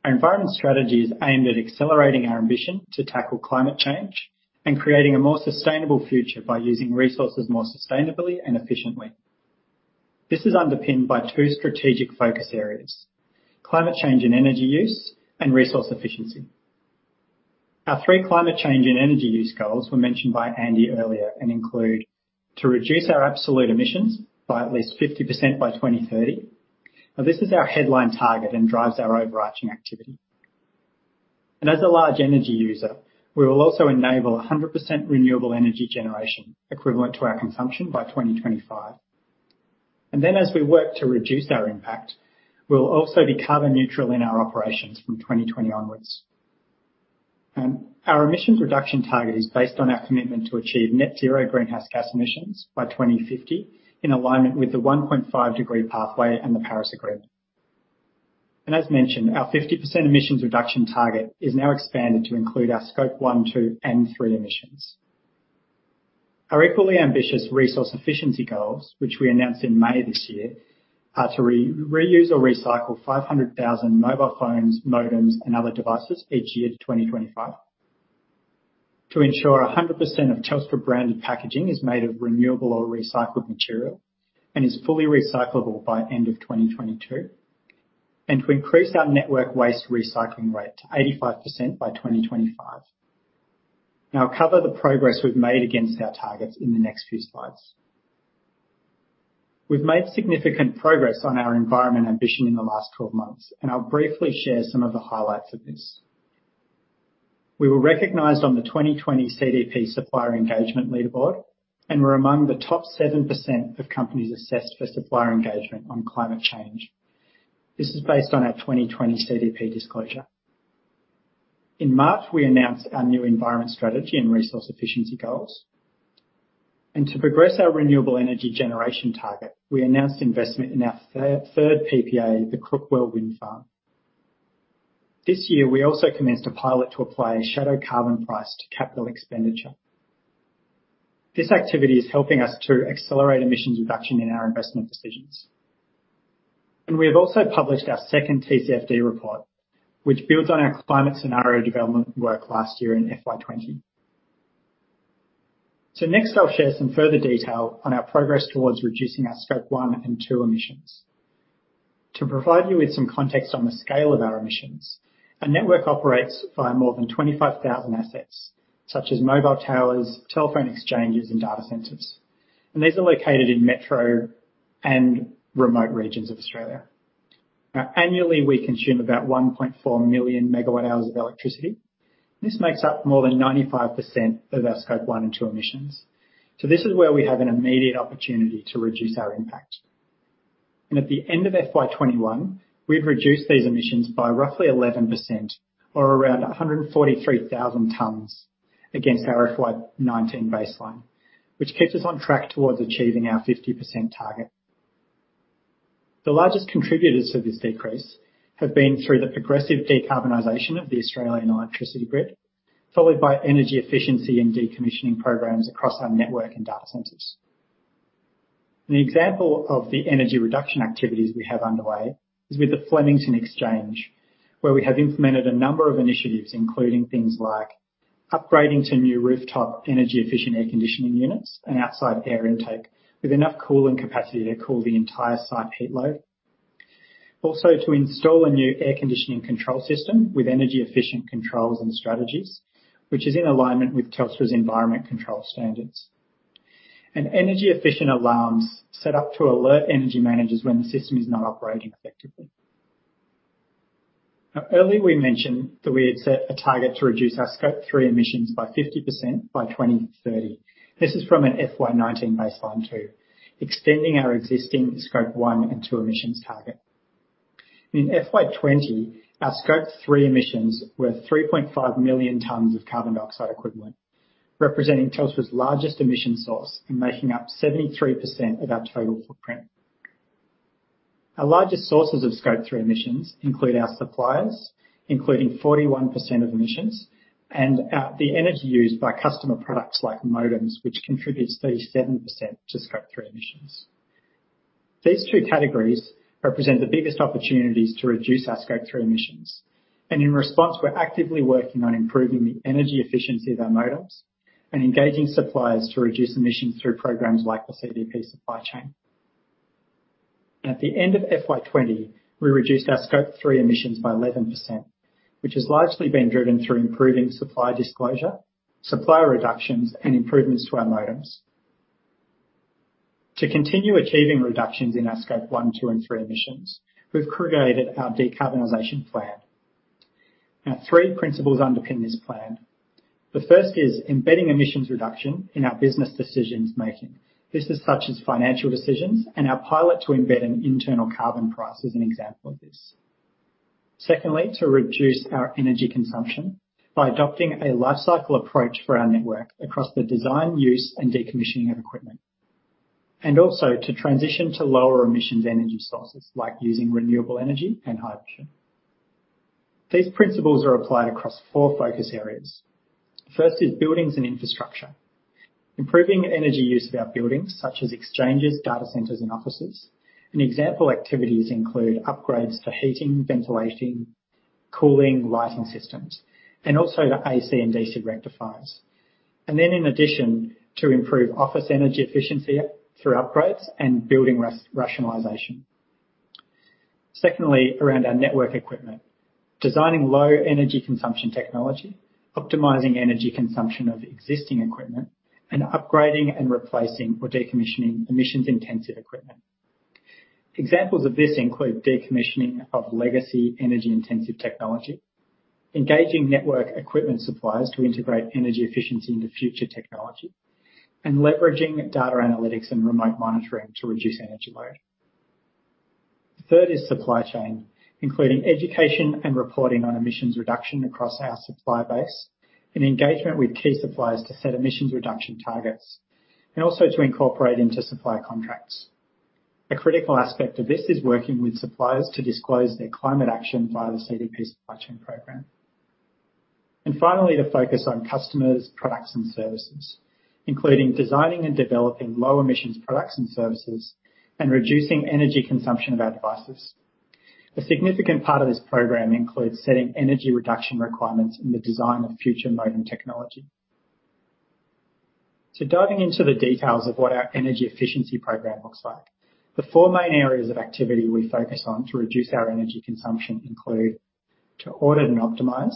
Our environmental strategy is aimed at accelerating our ambition to tackle climate change and creating a more sustainable future by using resources more sustainably and efficiently. This is underpinned by two strategic focus areas: climate change and energy use and resource efficiency. Our three climate change and energy use goals were mentioned by Andy earlier and include to reduce our absolute emissions by at least 50% by 2030. Now, this is our headline target and drives our overarching activity. As a large energy user, we will also enable 100% renewable energy generation equivalent to our consumption by 2025. Then, as we work to reduce our impact, we'll also be carbon neutral in our operations from 2020 onwards. Our emissions reduction target is based on our commitment to achieve net zero greenhouse gas emissions by 2050 in alignment with the 1.5-degree pathway and the Paris Agreement. As mentioned, our 50% emissions reduction target is now expanded to include our Scope 1, 2, and 3 emissions. Our equally ambitious resource efficiency goals, which we announced in May this year, are to reuse or recycle 500,000 mobile phones, modems, and other devices each year to 2025, to ensure 100% of Telstra-branded packaging is made of renewable or recycled material and is fully recyclable by the end of 2022, and to increase our network waste recycling rate to 85% by 2025. Now, I'll cover the progress we've made against our targets in the next few slides. We've made significant progress on our environment ambition in the last 12 months, and I'll briefly share some of the highlights of this. We were recognized on the 2020 CDP Supplier Engagement Leaderboard and were among the top 7% of companies assessed for supplier engagement on climate change. This is based on our 2020 CDP disclosure. In March, we announced our new environment strategy and resource efficiency goals. To progress our renewable energy generation target, we announced investment in our third PPA, the Crookwell Wind Farm. This year, we also commenced a pilot to apply a shadow carbon price to capital expenditure. This activity is helping us to accelerate emissions reduction in our investment decisions. We have also published our second TCFD report, which builds on our climate scenario development work last year in FY 2020. Next, I'll share some further detail on our progress towards reducing our Scope 1 and 2 emissions. To provide you with some context on the scale of our emissions, our network operates via more than 25,000 assets, such as mobile towers, telephone exchanges, and data centers. These are located in metro and remote regions of Australia. Now, annually, we consume about 1.4 million MWh of electricity. This makes up more than 95% of our Scope 1 and 2 emissions. This is where we have an immediate opportunity to reduce our impact. At the end of FY21, we've reduced these emissions by roughly 11% or around 143,000 tons against our FY19 baseline, which keeps us on track towards achieving our 50% target. The largest contributors to this decrease have been through the progressive decarbonization of the Australian electricity grid, followed by energy efficiency and decommissioning programs across our network and data centers. An example of the energy reduction activities we have underway is with the Flemington Exchange, where we have implemented a number of initiatives, including things like upgrading to new rooftop energy-efficient air conditioning units and outside air intake with enough cooling capacity to cool the entire site heat load, also to install a new air conditioning control system with energy-efficient controls and strategies, which is in alignment with Telstra's environmental control standards, and energy-efficient alarms set up to alert energy managers when the system is not operating effectively. Now, earlier, we mentioned that we had set a target to reduce our Scope 3 emissions by 50% by 2030. This is from an FY19 baseline too, extending our existing Scope 1 and 2 emissions target. In FY20, our Scope 3 emissions were 3.5 million tons of carbon dioxide equivalent, representing Telstra's largest emission source and making up 73% of our total footprint. Our largest sources of Scope 3 emissions include our suppliers, including 41% of emissions, and the energy used by customer products like modems, which contributes 37% to Scope 3 emissions. These two categories represent the biggest opportunities to reduce our Scope 3 emissions. In response, we're actively working on improving the energy efficiency of our modems and engaging suppliers to reduce emissions through programs like the CDP Supply Chain. At the end of FY20, we reduced our Scope 3 emissions by 11%, which has largely been driven through improving supply disclosure, supplier reductions, and improvements to our modems. To continue achieving reductions in our Scope 1, 2, and 3 emissions, we've created our decarbonization plan. Now, three principles underpin this plan. The first is embedding emissions reduction in our business decision-making. This is, such as financial decisions and our pilot to embed an internal carbon price as an example of this. Secondly, to reduce our energy consumption by adopting a lifecycle approach for our network across the design, use, and decommissioning of equipment, and also to transition to lower emissions energy sources like using renewable energy and hydrogen. These principles are applied across four focus areas. First is buildings and infrastructure. Improving energy use of our buildings, such as exchanges, data centers, and offices. Example activities include upgrades to heating, ventilating, cooling, lighting systems, and also the AC and DC rectifiers. In addition, to improve office energy efficiency through upgrades and building rationalization. Secondly, around our network equipment, designing low-energy consumption technology, optimizing energy consumption of existing equipment, and upgrading and replacing or decommissioning emissions-intensive equipment. Examples of this include decommissioning of legacy energy-intensive technology, engaging network equipment suppliers to integrate energy efficiency into future technology, and leveraging data analytics and remote monitoring to reduce energy load. The third is supply chain, including education and reporting on emissions reduction across our supply base and engagement with key suppliers to set emissions reduction targets and also to incorporate into supplier contracts. A critical aspect of this is working with suppliers to disclose their climate action via the CDP Supply Chain Program. Finally, to focus on customers' products and services, including designing and developing low-emissions products and services and reducing energy consumption of our devices. A significant part of this program includes setting energy reduction requirements in the design of future modem technology. So diving into the details of what our energy efficiency program looks like, the four main areas of activity we focus on to reduce our energy consumption include to audit and optimize.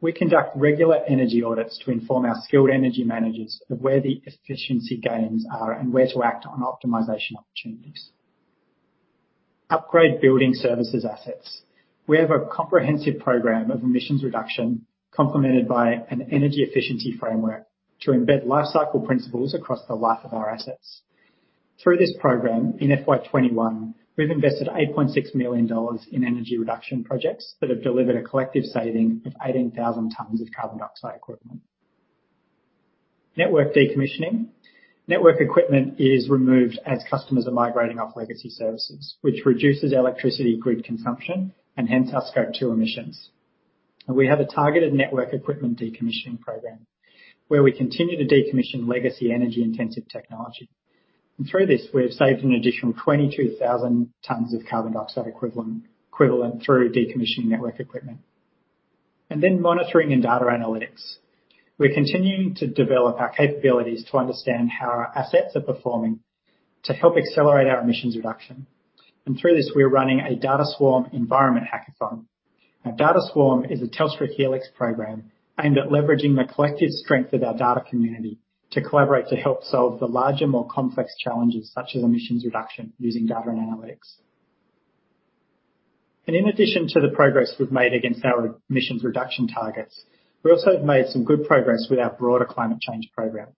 We conduct regular energy audits to inform our skilled energy managers of where the efficiency gains are and where to act on optimization opportunities. Upgrade building services assets. We have a comprehensive program of emissions reduction complemented by an energy efficiency framework to embed lifecycle principles across the life of our assets. Through this program, in FY21, we've invested 8.6 million dollars in energy reduction projects that have delivered a collective saving of 18,000 tons of carbon dioxide equivalent. Network decommissioning. Network equipment is removed as customers are migrating off legacy services, which reduces electricity grid consumption and hence our Scope 2 emissions. We have a targeted network equipment decommissioning program where we continue to decommission legacy energy-intensive technology. And through this, we have saved an additional 22,000 tons of carbon dioxide equivalent through decommissioning network equipment. And then monitoring and data analytics. We're continuing to develop our capabilities to understand how our assets are performing to help accelerate our emissions reduction. And through this, we're running a DataSwarm environment hackathon. Now, DataSwarm is a Telstra Helix program aimed at leveraging the collective strength of our data community to collaborate to help solve the larger, more complex challenges, such as emissions reduction, using data and analytics. And in addition to the progress we've made against our emissions reduction targets, we also have made some good progress with our broader climate change program.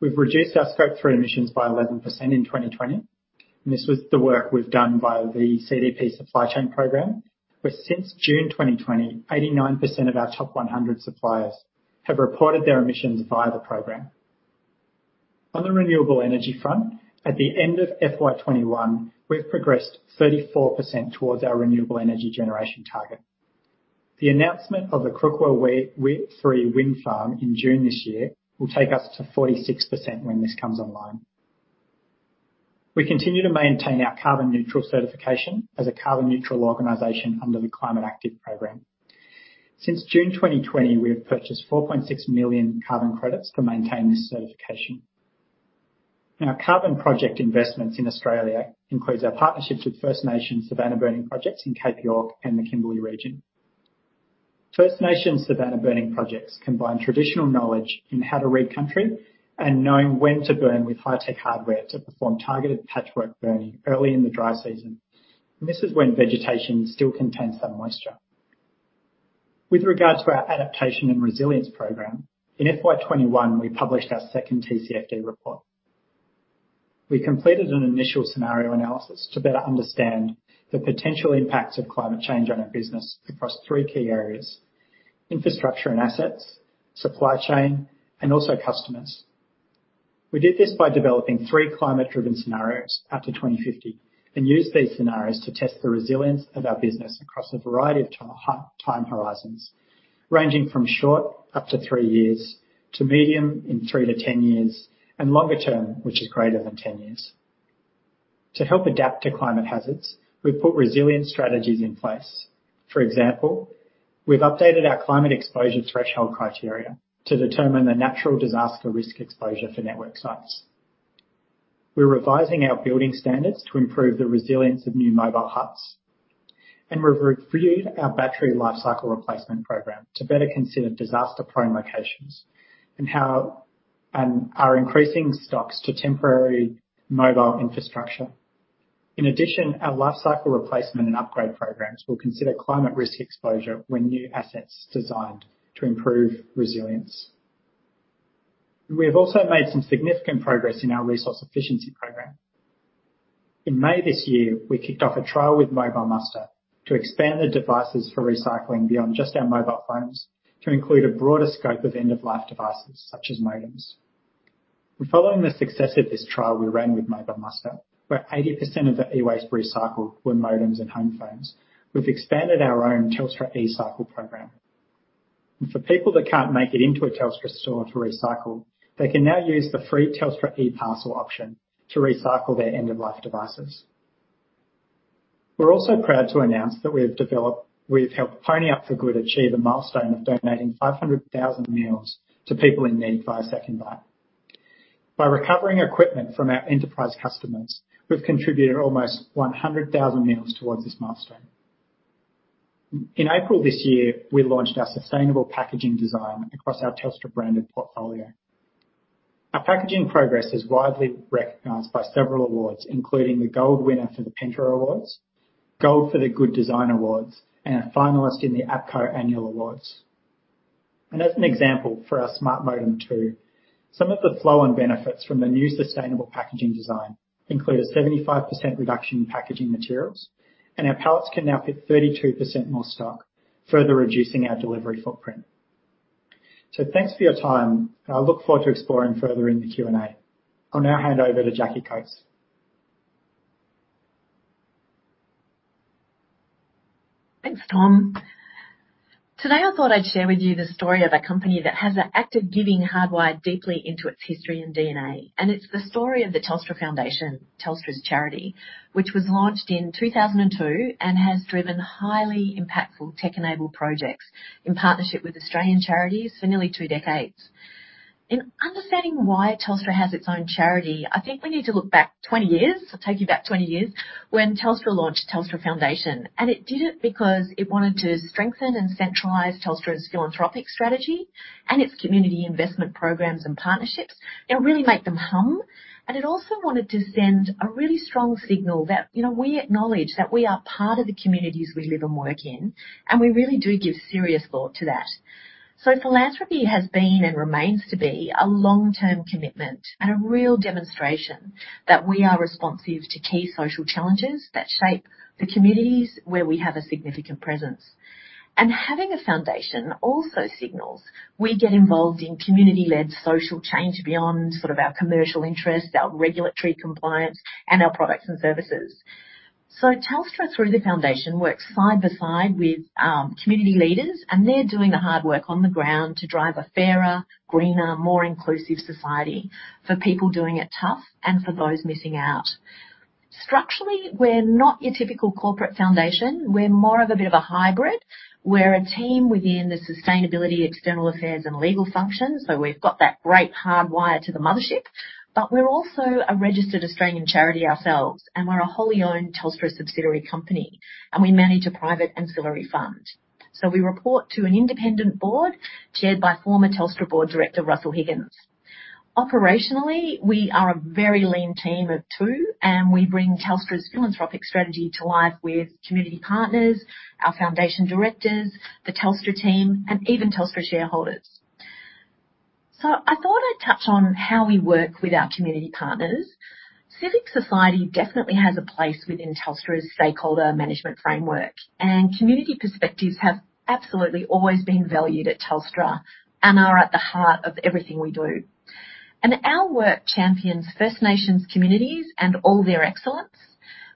We've reduced our Scope 3 emissions by 11% in 2020. This was the work we've done via the CDP Supply Chain Program, where since June 2020, 89% of our top 100 suppliers have reported their emissions via the program. On the renewable energy front, at the end of FY21, we've progressed 34% towards our renewable energy generation target. The announcement of the Crookwell 3 Wind Farm in June this year will take us to 46% when this comes online. We continue to maintain our carbon neutral certification as a carbon neutral organization under the Climate Active Program. Since June 2020, we have purchased 4.6 million carbon credits to maintain this certification. Now, carbon project investments in Australia include our partnerships with First Nations savanna burning projects in Cape York and the Kimberley region. First Nations savanna burning projects combine traditional knowledge in how to read Country and knowing when to burn with high-tech hardware to perform targeted patchwork burning early in the dry season. This is when vegetation still contains that moisture. With regard to our adaptation and resilience program, in FY21, we published our second TCFD report. We completed an initial scenario analysis to better understand the potential impacts of climate change on our business across 3 key areas: infrastructure and assets, supply chain, and also customers. We did this by developing 3 climate-driven scenarios up to 2050 and used these scenarios to test the resilience of our business across a variety of time horizons, ranging from short up to 3 years to medium in 3 to 10 years and longer term, which is greater than 10 years. To help adapt to climate hazards, we've put resilient strategies in place. For example, we've updated our climate exposure threshold criteria to determine the natural disaster risk exposure for network sites. We're revising our building standards to improve the resilience of new mobile huts. We've reviewed our battery lifecycle replacement program to better consider disaster-prone locations and our increasing stocks to temporary mobile infrastructure. In addition, our lifecycle replacement and upgrade programs will consider climate risk exposure when new assets are designed to improve resilience. We have also made some significant progress in our resource efficiency program. In May this year, we kicked off a trial with MobileMuster to expand the devices for recycling beyond just our mobile phones to include a broader scope of end-of-life devices such as modems. Following the success of this trial we ran with MobileMuster, where 80% of the e-waste recycled were modems and home phones, we've expanded our own Telstra eCycle program. For people that can't make it into a Telstra store to recycle, they can now use the free Telstra eParcel option to recycle their end-of-life devices. We're also proud to announce that we have helped PonyUp for Good achieve a milestone of donating 500,000 meals to people in need via SecondBite. By recovering equipment from our enterprise customers, we've contributed almost 100,000 meals towards this milestone. In April this year, we launched our sustainable packaging design across our Telstra-branded portfolio. Our packaging progress is widely recognized by several awards, including the Gold Winner for the Pentawards, Gold for the Good Design Awards, and a finalist in the APCO Annual Awards. As an example for our smart modem too, some of the flow-on benefits from the new sustainable packaging design include a 75% reduction in packaging materials, and our pallets can now fit 32% more stock, further reducing our delivery footprint. So thanks for your time. I look forward to exploring further in the Q&A. I'll now hand over to Jackie Coates. Thanks, Tom. Today, I thought I'd share with you the story of a company that has an act of giving hardwired deeply into its history and DNA. And it's the story of the Telstra Foundation, Telstra's charity, which was launched in 2002 and has driven highly impactful tech-enabled projects in partnership with Australian charities for nearly two decades. In understanding why Telstra has its own charity, I think we need to look back 20 years, take you back 20 years when Telstra launched Telstra Foundation. And it did it because it wanted to strengthen and centralize Telstra's philanthropic strategy and its community investment programs and partnerships, really make them hum. And it also wanted to send a really strong signal that we acknowledge that we are part of the communities we live and work in, and we really do give serious thought to that. So philanthropy has been and remains to be a long-term commitment and a real demonstration that we are responsive to key social challenges that shape the communities where we have a significant presence. Having a foundation also signals we get involved in community-led social change beyond sort of our commercial interests, our regulatory compliance, and our products and services. Telstra through the foundation works side by side with community leaders, and they're doing the hard work on the ground to drive a fairer, greener, more inclusive society for people doing it tough and for those missing out. Structurally, we're not your typical corporate foundation. We're more of a bit of a hybrid. We're a team within the sustainability, external affairs, and legal functions. We've got that great hard wire to the mothership, but we're also a registered Australian charity ourselves. We're a wholly-owned Telstra subsidiary company. We manage a private ancillary fund. So we report to an independent board chaired by former Telstra board director Russell Higgins. Operationally, we are a very lean team of two, and we bring Telstra's philanthropic strategy to life with community partners, our foundation directors, the Telstra team, and even Telstra shareholders. So I thought I'd touch on how we work with our community partners. Civil society definitely has a place within Telstra's stakeholder management framework. And community perspectives have absolutely always been valued at Telstra and are at the heart of everything we do. And our work champions First Nations communities and all their excellence.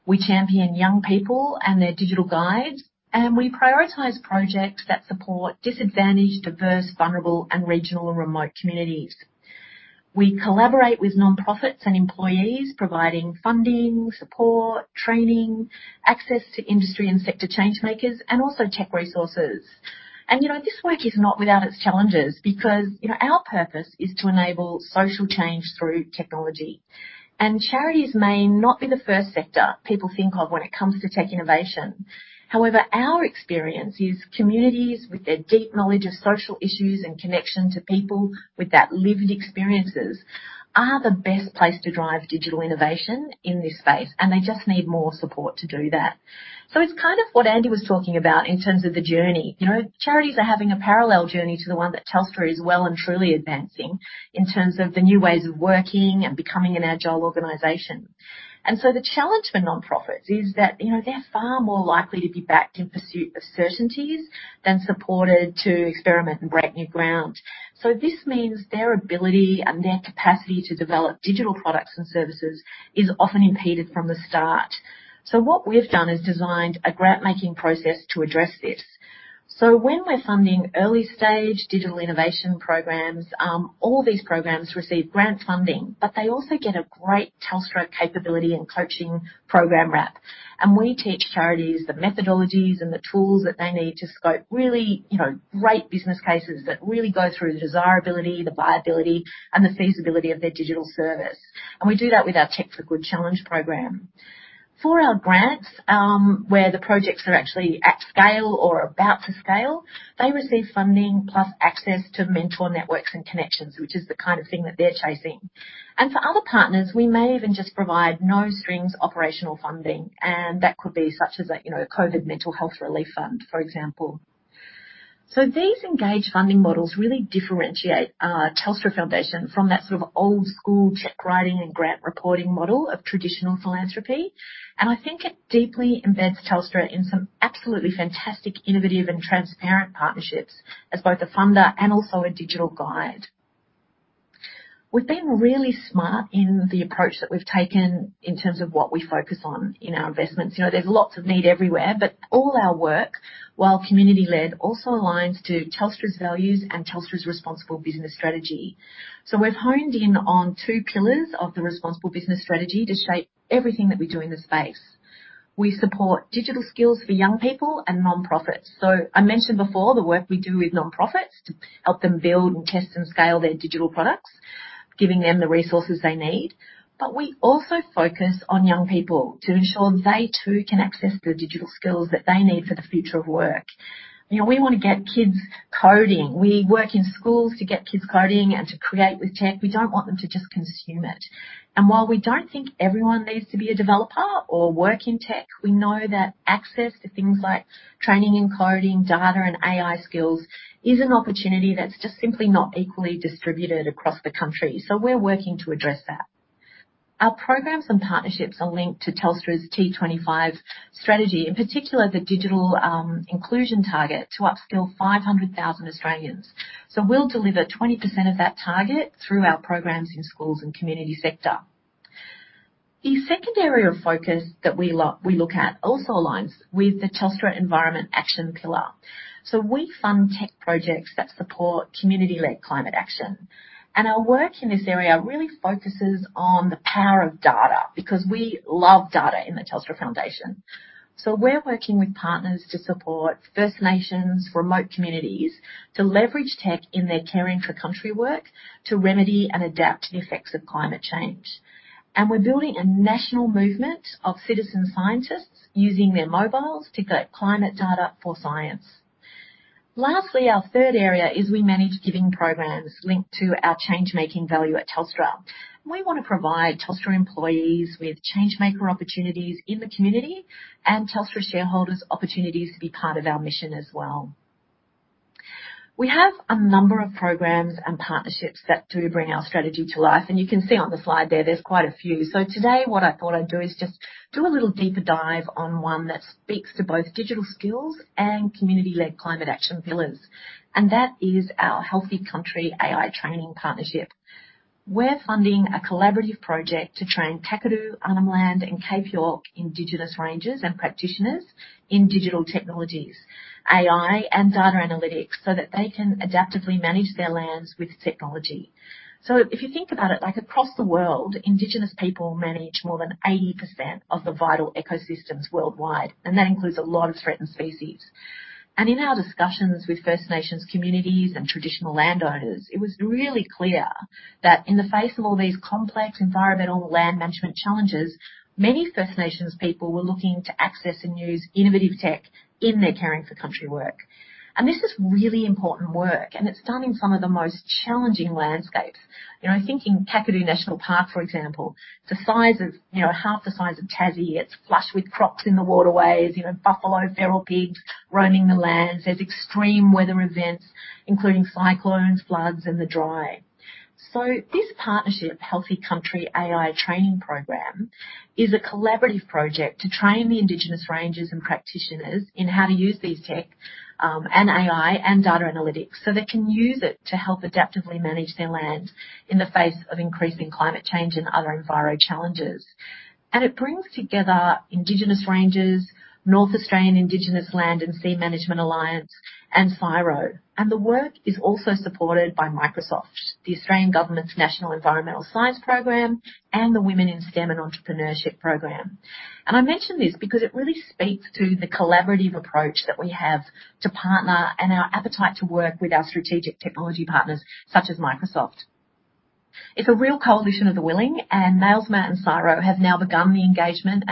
We champion young people and their digital guides. And we prioritize projects that support disadvantaged, diverse, vulnerable, and regional and remote communities. We collaborate with nonprofits and employees, providing funding, support, training, access to industry and sector change makers, and also tech resources. This work is not without its challenges because our purpose is to enable social change through technology. Charities may not be the first sector people think of when it comes to tech innovation. However, our experience is communities with their deep knowledge of social issues and connection to people with that lived experiences are the best place to drive digital innovation in this space. They just need more support to do that. It's kind of what Andy was talking about in terms of the journey. Charities are having a parallel journey to the one that Telstra is well and truly advancing in terms of the new ways of working and becoming an Agile organization. The challenge for nonprofits is that they're far more likely to be backed in pursuit of certainties than supported to experiment and break new ground. So this means their ability and their capacity to develop digital products and services is often impeded from the start. So what we've done is designed a grant-making process to address this. So when we're funding early-stage digital innovation programs, all these programs receive grant funding, but they also get a great Telstra capability and coaching program wrap. And we teach charities the methodologies and the tools that they need to scope really great business cases that really go through the desirability, the viability, and the feasibility of their digital service. And we do that with our Tech for Good Challenge program. For our grants, where the projects are actually at scale or about to scale, they receive funding plus access to mentor networks and connections, which is the kind of thing that they're chasing. And for other partners, we may even just provide no-strings operational funding. That could be such as a COVID mental health relief fund, for example. These engaged funding models really differentiate Telstra Foundation from that sort of old-school check-writing and grant reporting model of traditional philanthropy. I think it deeply embeds Telstra in some absolutely fantastic, innovative, and transparent partnerships as both a funder and also a digital guide. We've been really smart in the approach that we've taken in terms of what we focus on in our investments. There's lots of need everywhere, but all our work, while community-led, also aligns to Telstra's values and Telstra's Responsible Business Strategy. We've honed in on two pillars of the Responsible Business Strategy to shape everything that we do in the space. We support digital skills for young people and nonprofits. So I mentioned before the work we do with nonprofits to help them build and test and scale their digital products, giving them the resources they need. But we also focus on young people to ensure they too can access the digital skills that they need for the future of work. We want to get kids coding. We work in schools to get kids coding and to create with tech. We don't want them to just consume it. And while we don't think everyone needs to be a developer or work in tech, we know that access to things like training and coding, data, and AI skills is an opportunity that's just simply not equally distributed across the Country. So we're working to address that. Our programs and partnerships are linked to Telstra's T25 strategy, in particular the digital inclusion target to upskill 500,000 Australians. So we'll deliver 20% of that target through our programs in schools and community sector. The second area of focus that we look at also aligns with the Telstra Environment Action Pillar. So we fund tech projects that support community-led climate action. And our work in this area really focuses on the power of data because we love data in the Telstra Foundation. So we're working with partners to support First Nations, remote communities to leverage tech in their Caring for Country work to remedy and adapt to the effects of climate change. And we're building a national movement of citizen scientists using their mobiles to collect climate data for science. Lastly, our third area is we manage giving programs linked to our change-making value at Telstra. We want to provide Telstra employees with change-maker opportunities in the community and Telstra shareholders opportunities to be part of our mission as well. We have a number of programs and partnerships that do bring our strategy to life. You can see on the slide there there's quite a few. Today, what I thought I'd do is just do a little deeper dive on one that speaks to both digital skills and community-led climate action pillars. That is our Healthy Country AI Training Partnership. We're funding a collaborative project to train Kakadu, Arnhem Land, and Cape York Indigenous Rangers and practitioners in digital technologies, AI, and data analytics so that they can adaptively manage their lands with technology. If you think about it, across the world, Indigenous people manage more than 80% of the vital ecosystems worldwide. That includes a lot of threatened species. In our discussions with First Nations communities and traditional landowners, it was really clear that in the face of all these complex environmental land management challenges, many First Nations people were looking to access and use innovative tech in their Caring for Country digital work. This is really important work. It's done in some of the most challenging landscapes. Thinking Kakadu National Park, for example, it's half the size of Tassie. It's flush with crops in the waterways, buffalo feral pigs roaming the lands. There's extreme weather events, including cyclones, floods, and the dry. This partnership, Healthy Country AI Training Program, is a collaborative project to train the Indigenous Rangers and practitioners in how to use these tech and AI and data analytics so they can use it to help adaptively manage their lands in the face of increasing climate change and other environmental challenges. It brings together Indigenous Rangers, North Australian Indigenous Land and Sea Management Alliance, and CSIRO. The work is also supported by Microsoft, the Australian government's National Environmental Science Program, and the Women in STEM and Entrepreneurship Program. I mention this because it really speaks to the collaborative approach that we have to partner and our appetite to work with our strategic technology partners such as Microsoft. It's a real coalition of the willing. NAILSMA and CSIRO have now begun the engagement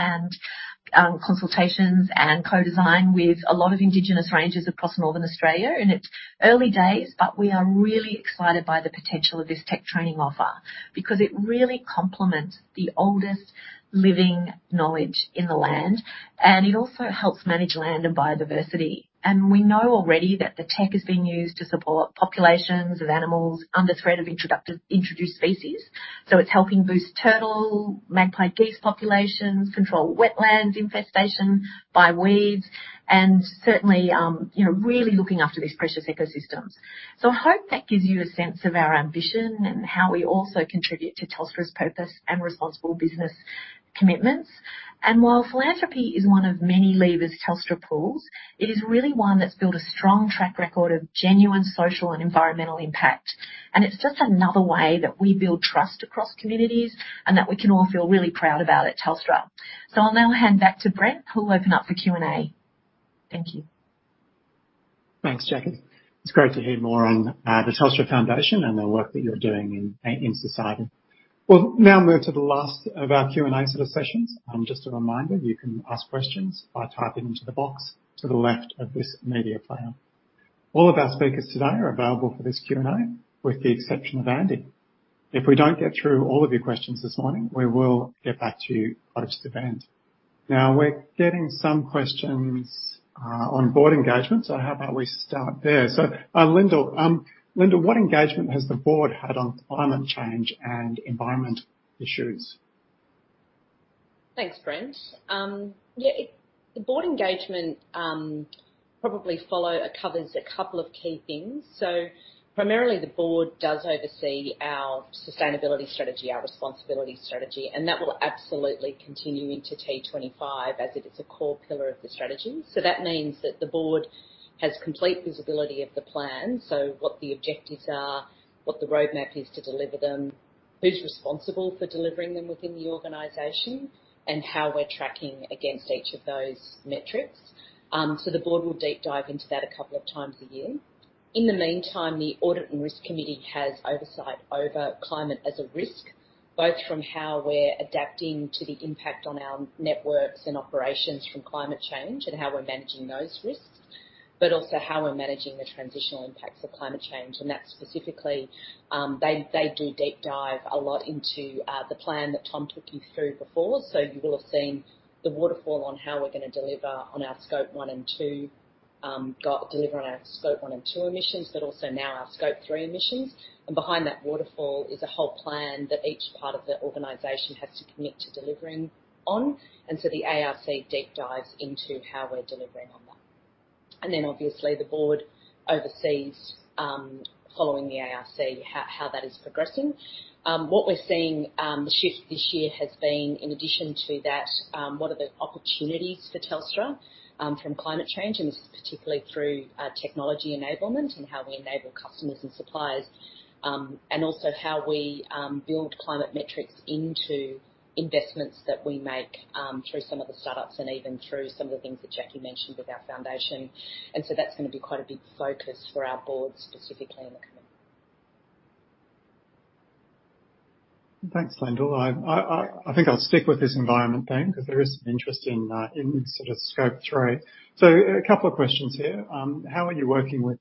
and consultations and co-design with a lot of Indigenous Rangers across northern Australia. It's early days, but we are really excited by the potential of this tech training offer because it really complements the oldest living knowledge in the land. It also helps manage land and biodiversity. And we know already that the tech is being used to support populations of animals under threat of introduced species. So it's helping boost turtle, magpie, geese populations, control wetlands infestation by weeds, and certainly really looking after these precious ecosystems. So I hope that gives you a sense of our ambition and how we also contribute to Telstra's purpose and responsible business commitments. And while philanthropy is one of many levers Telstra pulls, it is really one that's built a strong track record of genuine social and environmental impact. And it's just another way that we build trust across communities and that we can all feel really proud about at Telstra. So I'll now hand back to Brent, who will open up for Q&A. Thank you. Thanks, Jackie. It's great to hear more on the Telstra Foundation and the work that you're doing in society. We'll now move to the last of our Q&A sort of sessions. Just a reminder, you can ask questions by typing into the box to the left of this media player. All of our speakers today are available for this Q&A, with the exception of Andy. If we don't get through all of your questions this morning, we will get back to you outside of the event. Now, we're getting some questions on board engagement. So how about we start there? So Lyndall, what engagement has the board had on climate change and environmental issues? Thanks, Brent. Yeah, the board engagement probably covers a couple of key things. So primarily, the board does oversee our sustainability strategy, our responsibility strategy. And that will absolutely continue into T25 as it is a core pillar of the strategy. So that means that the board has complete visibility of the plan, so what the objectives are, what the roadmap is to deliver them, who's responsible for delivering them within the organization, and how we're tracking against each of those metrics. So the board will deep dive into that a couple of times a year. In the meantime, the Audit and Risk Committee has oversight over climate as a risk, both from how we're adapting to the impact on our networks and operations from climate change and how we're managing those risks, but also how we're managing the transitional impacts of climate change. And that's specifically they do deep dive a lot into the plan that Tom took you through before. So you will have seen the waterfall on how we're going to deliver on our scope one and two, deliver on our scope one and two emissions, but also now our scope 3 emissions. And behind that waterfall is a whole plan that each part of the organization has to commit to delivering on. And so the ARC deep dives into how we're delivering on that. And then, obviously, the board oversees, following the ARC, how that is progressing. What we're seeing the shift this year has been, in addition to that, what are the opportunities for Telstra from climate change. And this is particularly through technology enablement and how we enable customers and suppliers, and also how we build climate metrics into investments that we make through some of the startups and even through some of the things that Jackie mentioned with our foundation. And so that's going to be quite a big focus for our board specifically in the coming. Thanks, Lyndall. I think I'll stick with this environment thing because there is some interest in sort of Scope 3. So a couple of questions here. How are you working with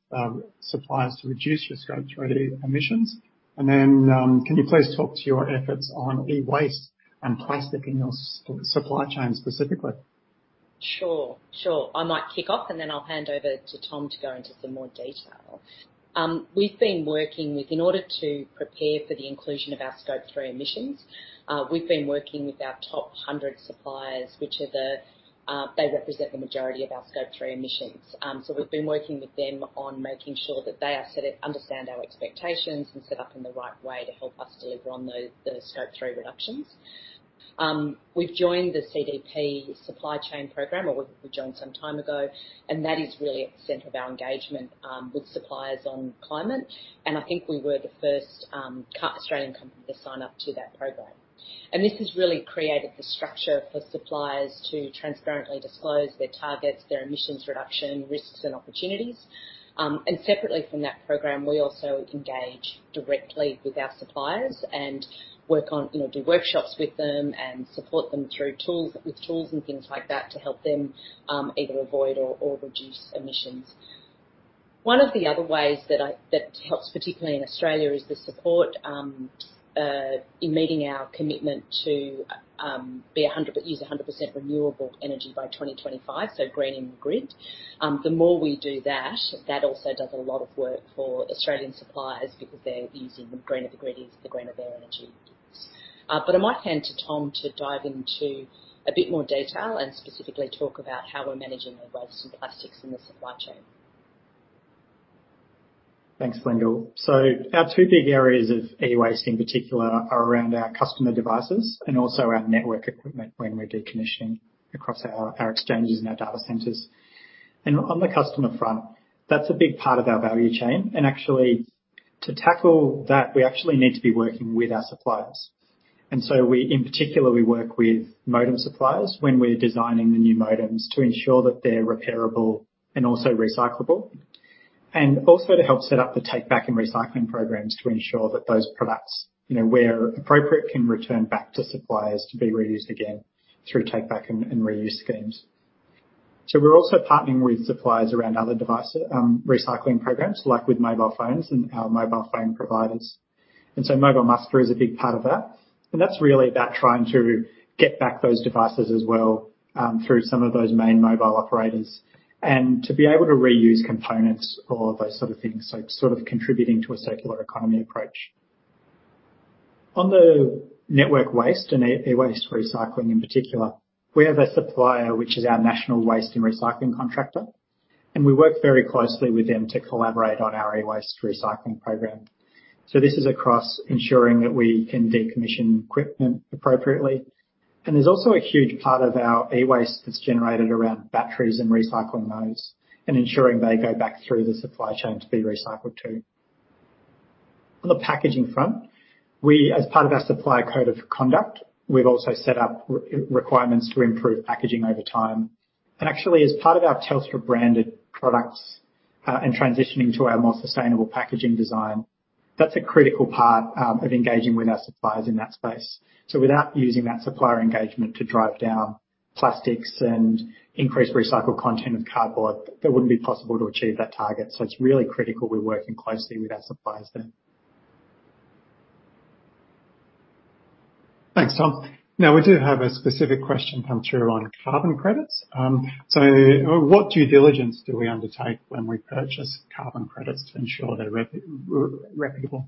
suppliers to reduce your Scope 3 emissions? And then can you please talk to your efforts on e-waste and plastic in your supply chain specifically? Sure. Sure. I might kick off, and then I'll hand over to Tom to go into some more detail. We've been working with, in order to prepare for the inclusion of our Scope 3 Emissions, we've been working with our top 100 suppliers, which they represent the majority of our Scope 3 Emissions. So we've been working with them on making sure that they understand our expectations and set up in the right way to help us deliver on the Scope 3 reductions. We've joined the CDP Supply Chain Program, or we joined some time ago, and that is really at the center of our engagement with suppliers on climate. And I think we were the first Australian company to sign up to that program. And this has really created the structure for suppliers to transparently disclose their targets, their emissions reduction risks, and opportunities. Separately from that program, we also engage directly with our suppliers and work on doing workshops with them and support them with tools and things like that to help them either avoid or reduce emissions. One of the other ways that helps, particularly in Australia, is the support in meeting our commitment to use 100% renewable energy by 2025, so green in the grid. The more we do that, that also does a lot of work for Australian suppliers because the green of the grid is the green of their energy. But I might hand to Tom to dive into a bit more detail and specifically talk about how we're managing e-waste and plastics in the supply chain. Thanks, Lyndall. So our two big areas of e-waste in particular are around our customer devices and also our network equipment when we're decommissioning across our exchanges and our data centers. On the customer front, that's a big part of our value chain. Actually, to tackle that, we actually need to be working with our suppliers. So we, in particular, work with modem suppliers when we're designing the new modems to ensure that they're repairable and also recyclable, and also to help set up the take-back and recycling programs to ensure that those products, where appropriate, can return back to suppliers to be reused again through take-back and reuse schemes. So we're also partnering with suppliers around other recycling programs, like with mobile phones and our mobile phone providers. And so MobileMuster is a big part of that. That's really about trying to get back those devices as well through some of those main mobile operators and to be able to reuse components or those sort of things, so sort of contributing to a circular economy approach. On the network waste and e-waste recycling in particular, we have a supplier, which is our national waste and recycling contractor. And we work very closely with them to collaborate on our e-waste recycling program. So this is across ensuring that we can decommission equipment appropriately. And there's also a huge part of our e-waste that's generated around batteries and recycling those and ensuring they go back through the supply chain to be recycled too. On the packaging front, we, as part of our Supplier Code of Conduct, we've also set up requirements to improve packaging over time. Actually, as part of our Telstra-branded products and transitioning to our more sustainable packaging design, that's a critical part of engaging with our suppliers in that space. So without using that supplier engagement to drive down plastics and increase recycled content of cardboard, that wouldn't be possible to achieve that target. So it's really critical we're working closely with our suppliers there. Thanks, Tom. Now, we do have a specific question come through on carbon credits. So what due diligence do we undertake when we purchase carbon credits to ensure they're reputable?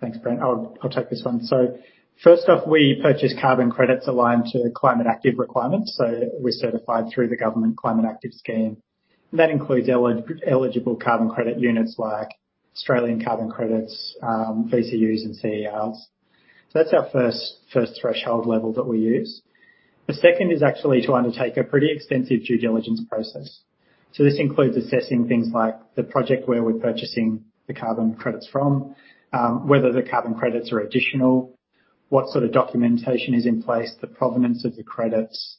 Thanks, Brent. I'll take this one. So first off, we purchase carbon credits aligned to Climate Active requirements. So we're certified through the government Climate Active scheme. And that includes eligible carbon credit units like Australian carbon credits, VCUs, and CERs. So that's our first threshold level that we use. The second is actually to undertake a pretty extensive due diligence process. So this includes assessing things like the project where we're purchasing the carbon credits from, whether the carbon credits are additional, what sort of documentation is in place, the provenance of the credits,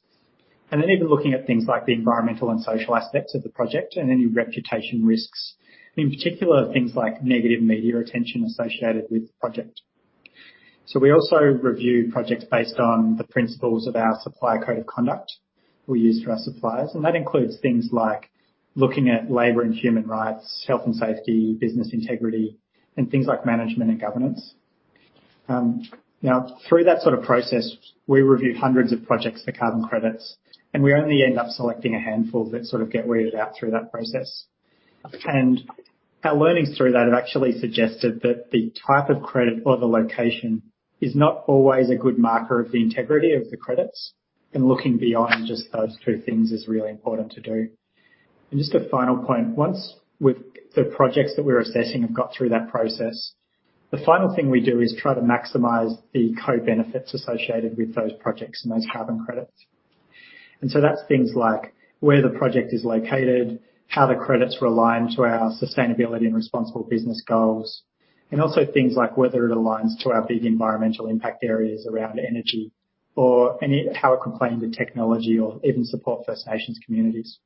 and then even looking at things like the environmental and social aspects of the project and any reputation risks, in particular, things like negative media attention associated with the project. So we also review projects based on the principles of our Supplier Code of Conduct we use for our suppliers. And that includes things like looking at labor and human rights, health and safety, business integrity, and things like management and governance. Now, through that sort of process, we review hundreds of projects for carbon credits, and we only end up selecting a handful that sort of get weeded out through that process. And our learnings through that have actually suggested that the type of credit or the location is not always a good marker of the integrity of the credits. And looking beyond just those two things is really important to do. And just a final point, once the projects that we're assessing have got through that process, the final thing we do is try to maximize the co-benefits associated with those projects and those carbon credits. That's things like where the project is located, how the credits were aligned to our sustainability and responsible business goals, and also things like whether it aligns to our big environmental impact areas around energy or how it complements technology or even support First Nations communities.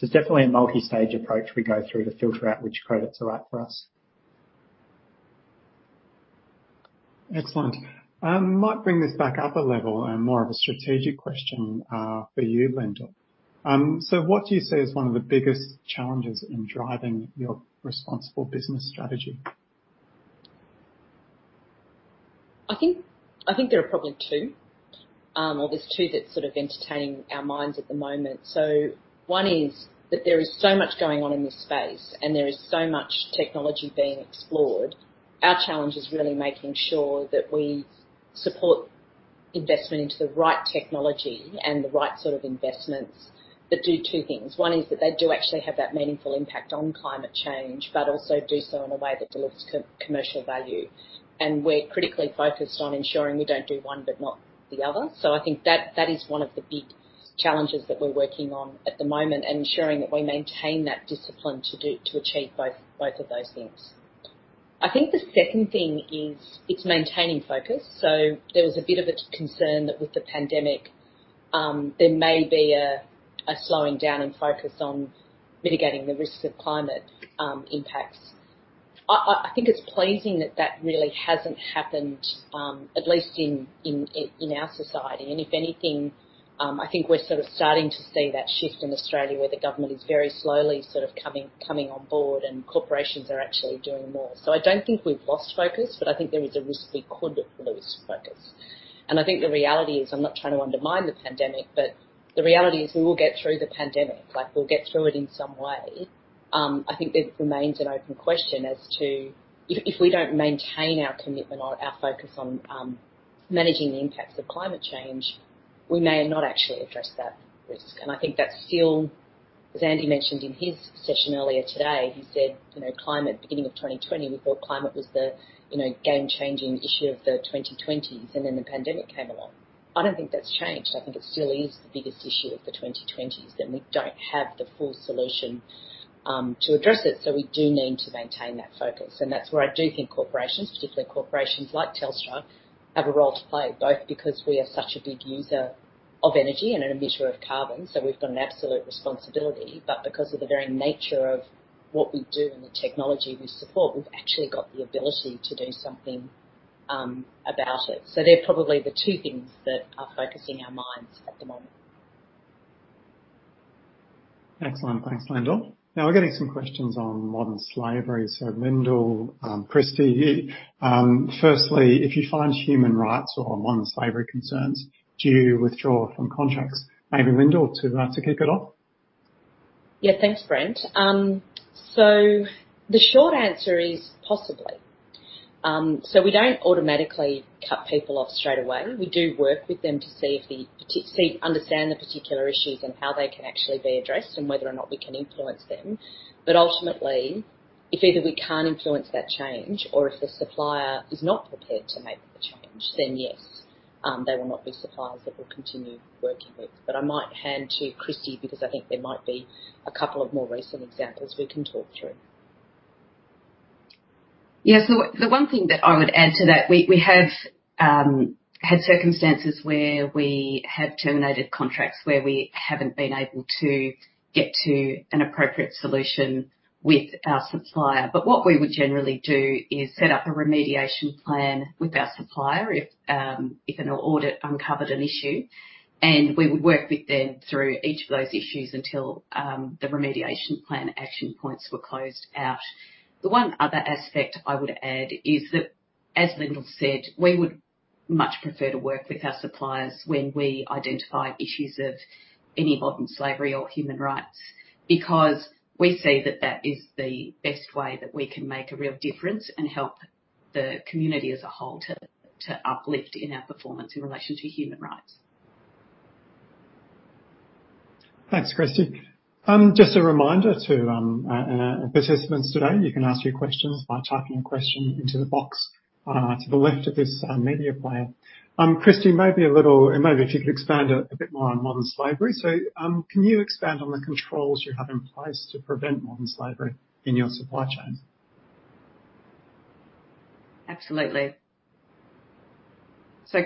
It's definitely a multi-stage approach we go through to filter out which credits are right for us. Excellent. I might bring this back up a level and more of a strategic question for you, Lyndall. So what do you see as one of the biggest challenges in driving your Responsible Business Strategy? I think there are probably two, or there's two that's sort of entertaining our minds at the moment. So one is that there is so much going on in this space, and there is so much technology being explored. Our challenge is really making sure that we support investment into the right technology and the right sort of investments that do two things. One is that they do actually have that meaningful impact on climate change, but also do so in a way that delivers commercial value. And we're critically focused on ensuring we don't do one but not the other. So I think that is one of the big challenges that we're working on at the moment and ensuring that we maintain that discipline to achieve both of those things. I think the second thing is it's maintaining focus. There was a bit of a concern that with the pandemic, there may be a slowing down in focus on mitigating the risks of climate impacts. I think it's pleasing that that really hasn't happened, at least in our society. If anything, I think we're sort of starting to see that shift in Australia where the government is very slowly sort of coming on board and corporations are actually doing more. I don't think we've lost focus, but I think there is a risk we could lose focus. I think the reality is, I'm not trying to undermine the pandemic, but the reality is we will get through the pandemic. We'll get through it in some way. I think it remains an open question as to if we don't maintain our commitment or our focus on managing the impacts of climate change, we may not actually address that risk. I think that's still, as Andy mentioned in his session earlier today, he said climate beginning of 2020, we thought climate was the game-changing issue of the 2020s, and then the pandemic came along. I don't think that's changed. I think it still is the biggest issue of the 2020s, and we don't have the full solution to address it. We do need to maintain that focus. That's where I do think corporations, particularly corporations like Telstra, have a role to play, both because we are such a big user of energy and an emitter of carbon. We've got an absolute responsibility. But because of the very nature of what we do and the technology we support, we've actually got the ability to do something about it. So they're probably the two things that are focusing our minds at the moment. Excellent. Thanks, Lyndall. Now, we're getting some questions on modern slavery. So Lyndall, Christie, firstly, if you find human rights or modern slavery concerns, do you withdraw from contracts? Maybe Lyndall, to kick it off? Yeah, thanks, Brent. So the short answer is possibly. So we don't automatically cut people off straight away. We do work with them to see and understand the particular issues and how they can actually be addressed and whether or not we can influence them. But ultimately, if either we can't influence that change or if the supplier is not prepared to make the change, then yes, they will not be suppliers that we'll continue working with. But I might hand to Christie because I think there might be a couple of more recent examples we can talk through. Yeah, so the one thing that I would add to that, we have had circumstances where we have terminated contracts where we haven't been able to get to an appropriate solution with our supplier. But what we would generally do is set up a remediation plan with our supplier if an audit uncovered an issue. We would work with them through each of those issues until the remediation plan action points were closed out. The one other aspect I would add is that, as Lyndall said, we would much prefer to work with our suppliers when we identify issues of any modern slavery or human rights because we see that that is the best way that we can make a real difference and help the community as a whole to uplift in our performance in relation to human rights. Thanks, Christie. Just a reminder to participants today, you can ask your questions by typing your question into the box to the left of this media player. Christie, maybe a little, maybe if you could expand a bit more on modern slavery. So can you expand on the controls you have in place to prevent modern slavery in your supply chain? Absolutely. So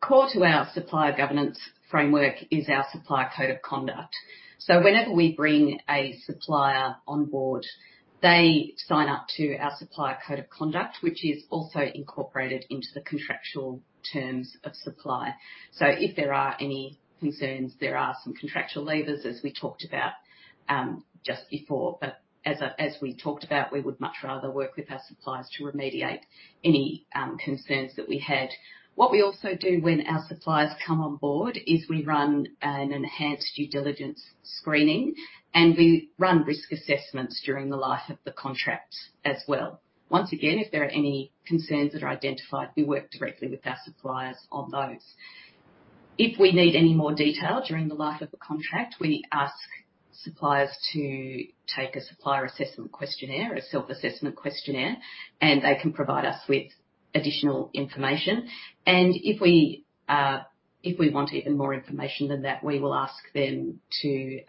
core to our supplier governance framework is our Supplier Code of Conduct. So whenever we bring a supplier on board, they sign up to our Supplier Code of Conduct, which is also incorporated into the contractual terms of supply. So if there are any concerns, there are some contractual levers, as we talked about just before. But as we talked about, we would much rather work with our suppliers to remediate any concerns that we had. What we also do when our suppliers come on board is we run an enhanced due diligence screening, and we run risk assessments during the life of the contract as well. Once again, if there are any concerns that are identified, we work directly with our suppliers on those. If we need any more detail during the life of the contract, we ask suppliers to take a supplier assessment questionnaire, a self-assessment questionnaire, and they can provide us with additional information. If we want even more information than that, we will ask them to,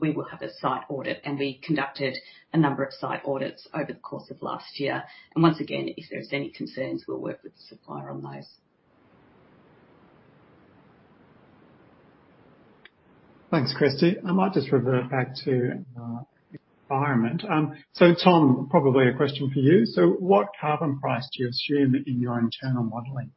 we will have a site audit. We conducted a number of site audits over the course of last year. Once again, if there's any concerns, we'll work with the supplier on those. Thanks, Christie. I might just revert back to the environment. So, Tom, probably a question for you. So, what carbon price do you assume in your internal modeling?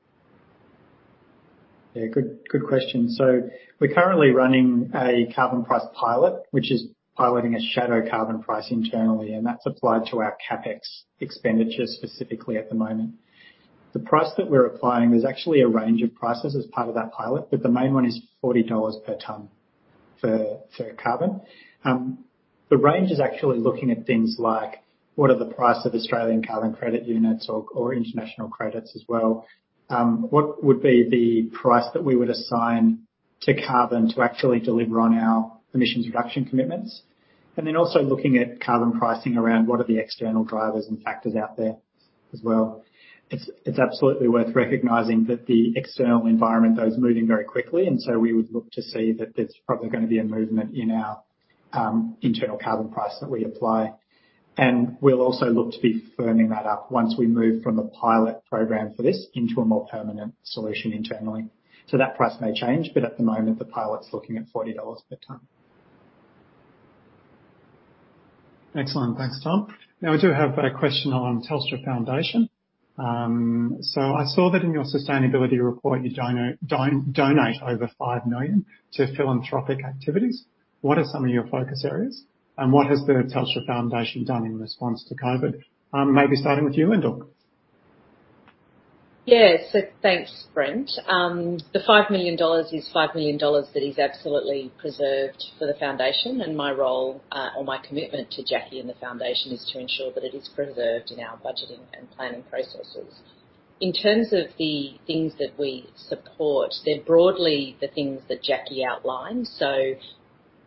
Yeah, good question. So we're currently running a carbon price pilot, which is piloting a shadow carbon price internally, and that's applied to our CapEx expenditure specifically at the moment. The price that we're applying is actually a range of prices as part of that pilot, but the main one is $40 per tonne for carbon. The range is actually looking at things like what are the price of Australian Carbon Credit Units or international credits as well. What would be the price that we would assign to carbon to actually deliver on our emissions reduction commitments? And then also looking at carbon pricing around what are the external drivers and factors out there as well. It's absolutely worth recognizing that the external environment, those moving very quickly. We would look to see that there's probably going to be a movement in our internal carbon price that we apply. We'll also look to be firming that up once we move from a pilot program for this into a more permanent solution internally. That price may change, but at the moment, the pilot's looking at $40 per ton. Excellent. Thanks, Tom. Now, we do have a question on Telstra Foundation. So I saw that in your sustainability report, you donate over 5 million to philanthropic activities. What are some of your focus areas? And what has the Telstra Foundation done in response to COVID? Maybe starting with you, Lyndall. Yeah, so thanks, Brent. The 5 million dollars is 5 million dollars that is absolutely preserved for the foundation. My role or my commitment to Jackie and the foundation is to ensure that it is preserved in our budgeting and planning processes. In terms of the things that we support, they're broadly the things that Jackie outlined.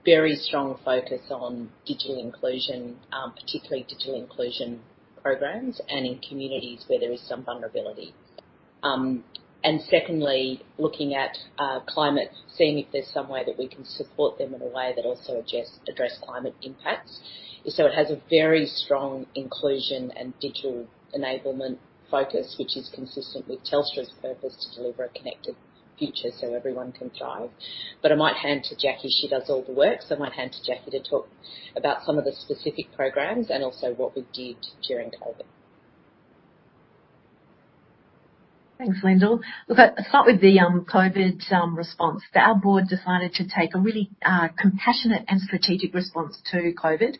Very strong focus on digital inclusion, particularly digital inclusion programs and in communities where there is some vulnerability. Secondly, looking at climate, seeing if there's some way that we can support them in a way that also address climate impacts. It has a very strong inclusion and digital enablement focus, which is consistent with Telstra's purpose to deliver a connected future so everyone can thrive. But I might hand to Jackie. She does all the work. I might hand to Jackie to talk about some of the specific programs and also what we did during COVID. Thanks, Lyndall. I'll start with the COVID response. Our board decided to take a really compassionate and strategic response to COVID.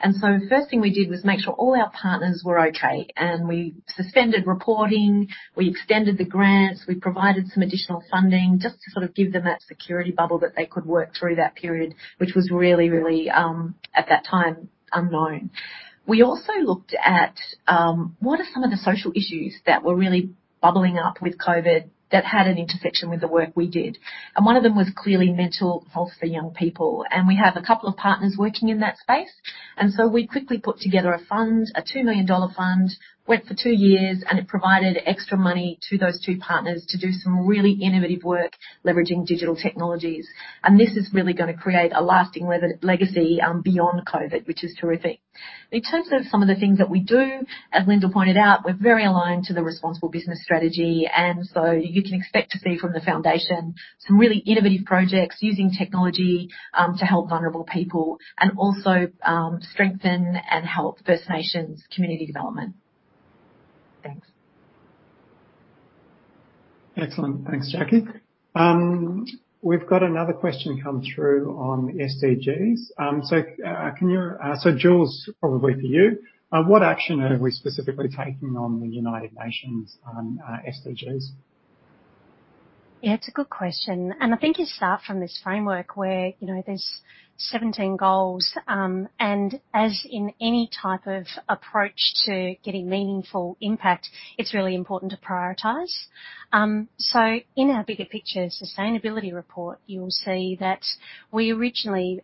And so first thing we did was make sure all our partners were okay. And we suspended reporting. We extended the grants. We provided some additional funding just to sort of give them that security bubble that they could work through that period, which was really, really at that time unknown. We also looked at what are some of the social issues that were really bubbling up with COVID that had an intersection with the work we did. And one of them was clearly mental health for young people. And we have a couple of partners working in that space. So we quickly put together a fund, an 2 million dollar fund, went for two years, and it provided extra money to those two partners to do some really innovative work leveraging digital technologies. This is really going to create a lasting legacy beyond COVID, which is terrific. In terms of some of the things that we do, as Lyndall pointed out, we're very aligned to the Responsible Business Strategy. You can expect to see from the foundation some really innovative projects using technology to help vulnerable people and also strengthen and help First Nations community development. Thanks. Excellent. Thanks, Jackie. We've got another question come through on SDGs. So Jules probably for you. What action are we specifically taking on the United Nations on SDGs? Yeah, it's a good question. And I think you start from this framework where there's 17 goals. And as in any type of approach to getting meaningful impact, it's really important to prioritize. So in our Bigger Picture Sustainability Report, you'll see that we originally,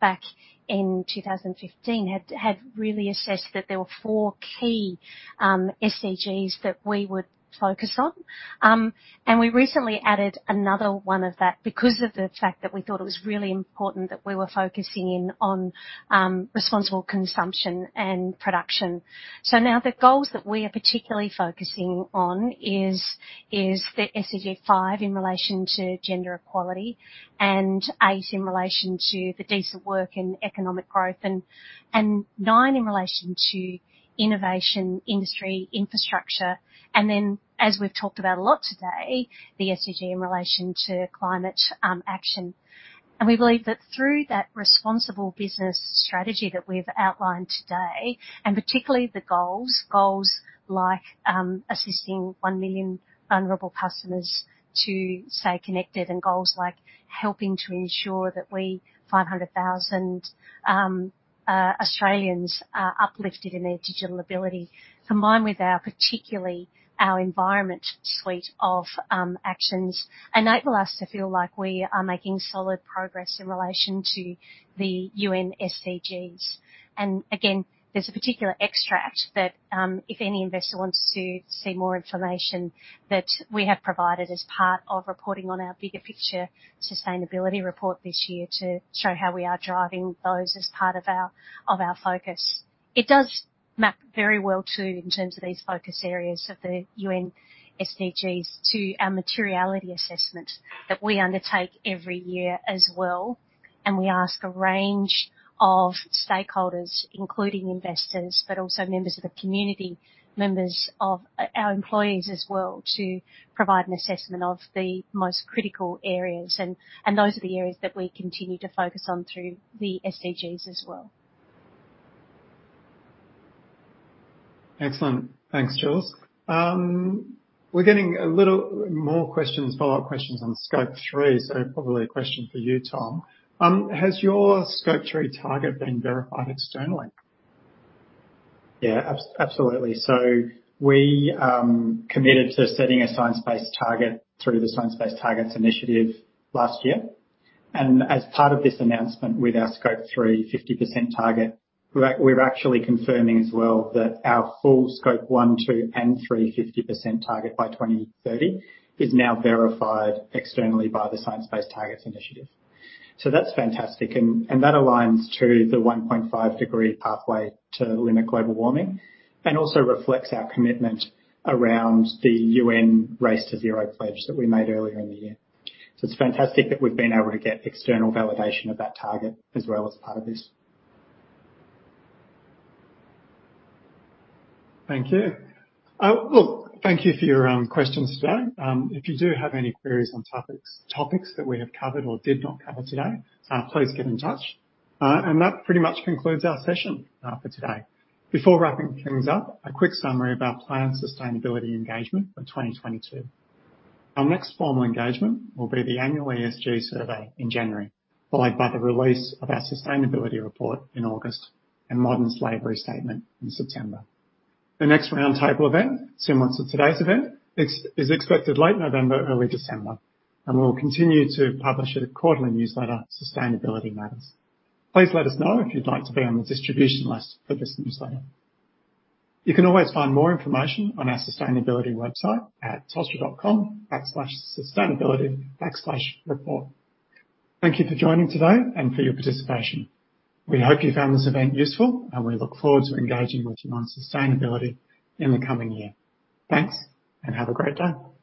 back in 2015, had really assessed that there were four key SDGs that we would focus on. And we recently added another one of that because of the fact that we thought it was really important that we were focusing in on responsible consumption and production. So now the goals that we are particularly focusing on is the SDG 5 in relation to gender equality and 8 in relation to the decent work and economic growth and 9 in relation to innovation, industry, infrastructure. And then, as we've talked about a lot today, the SDG in relation to climate action. We believe that through that Responsible Business Strategy that we've outlined today, and particularly the goals, goals like assisting 1 million vulnerable customers to stay connected and goals like helping to ensure that we 500,000 Australians are uplifted in their digital ability, combined with our particularly our environment suite of actions enable us to feel like we are making solid progress in relation to the UN SDGs. Again, there's a particular extract that if any investor wants to see more information that we have provided as part of reporting on our Bigger Picture Sustainability Report this year to show how we are driving those as part of our focus. It does map very well too in terms of these focus areas of the UN SDGs to our materiality assessment that we undertake every year as well. We ask a range of stakeholders, including investors, but also members of the community, members of our employees as well to provide an assessment of the most critical areas. Those are the areas that we continue to focus on through the SDGs as well. Excellent. Thanks, Jules. We're getting a little more questions, follow-up questions on Scope 3. So probably a question for you, Tom. Has your Scope 3 target been verified externally? Yeah, absolutely. So we committed to setting a science-based target through the Science Based Targets initiative last year. And as part of this announcement with our Scope 3, 50% target, we're actually confirming as well that our full Scope 1, 2, and 3, 50% target by 2030 is now verified externally by the Science Based Targets initiative. So that's fantastic. And that aligns to the 1.5 degree pathway to limit global warming and also reflects our commitment around the UN Race to Zero pledge that we made earlier in the year. So it's fantastic that we've been able to get external validation of that target as well as part of this. Thank you. Look, thank you for your questions today. If you do have any queries on topics that we have covered or did not cover today, please get in touch. That pretty much concludes our session for today. Before wrapping things up, a quick summary of our planned sustainability engagement for 2022. Our next formal engagement will be the annual ESG survey in January, followed by the release of our sustainability report in August and Modern Slavery Statement in September. The next roundtable event, similar to today's event, is expected late November, early December. We'll continue to publish a quarterly newsletter, Sustainability Matters. Please let us know if you'd like to be on the distribution list for this newsletter. You can always find more information on our sustainability website at telstra.com/sustainability/report. Thank you for joining today and for your participation. We hope you found this event useful, and we look forward to engaging with you on sustainability in the coming year. Thanks, and have a great day.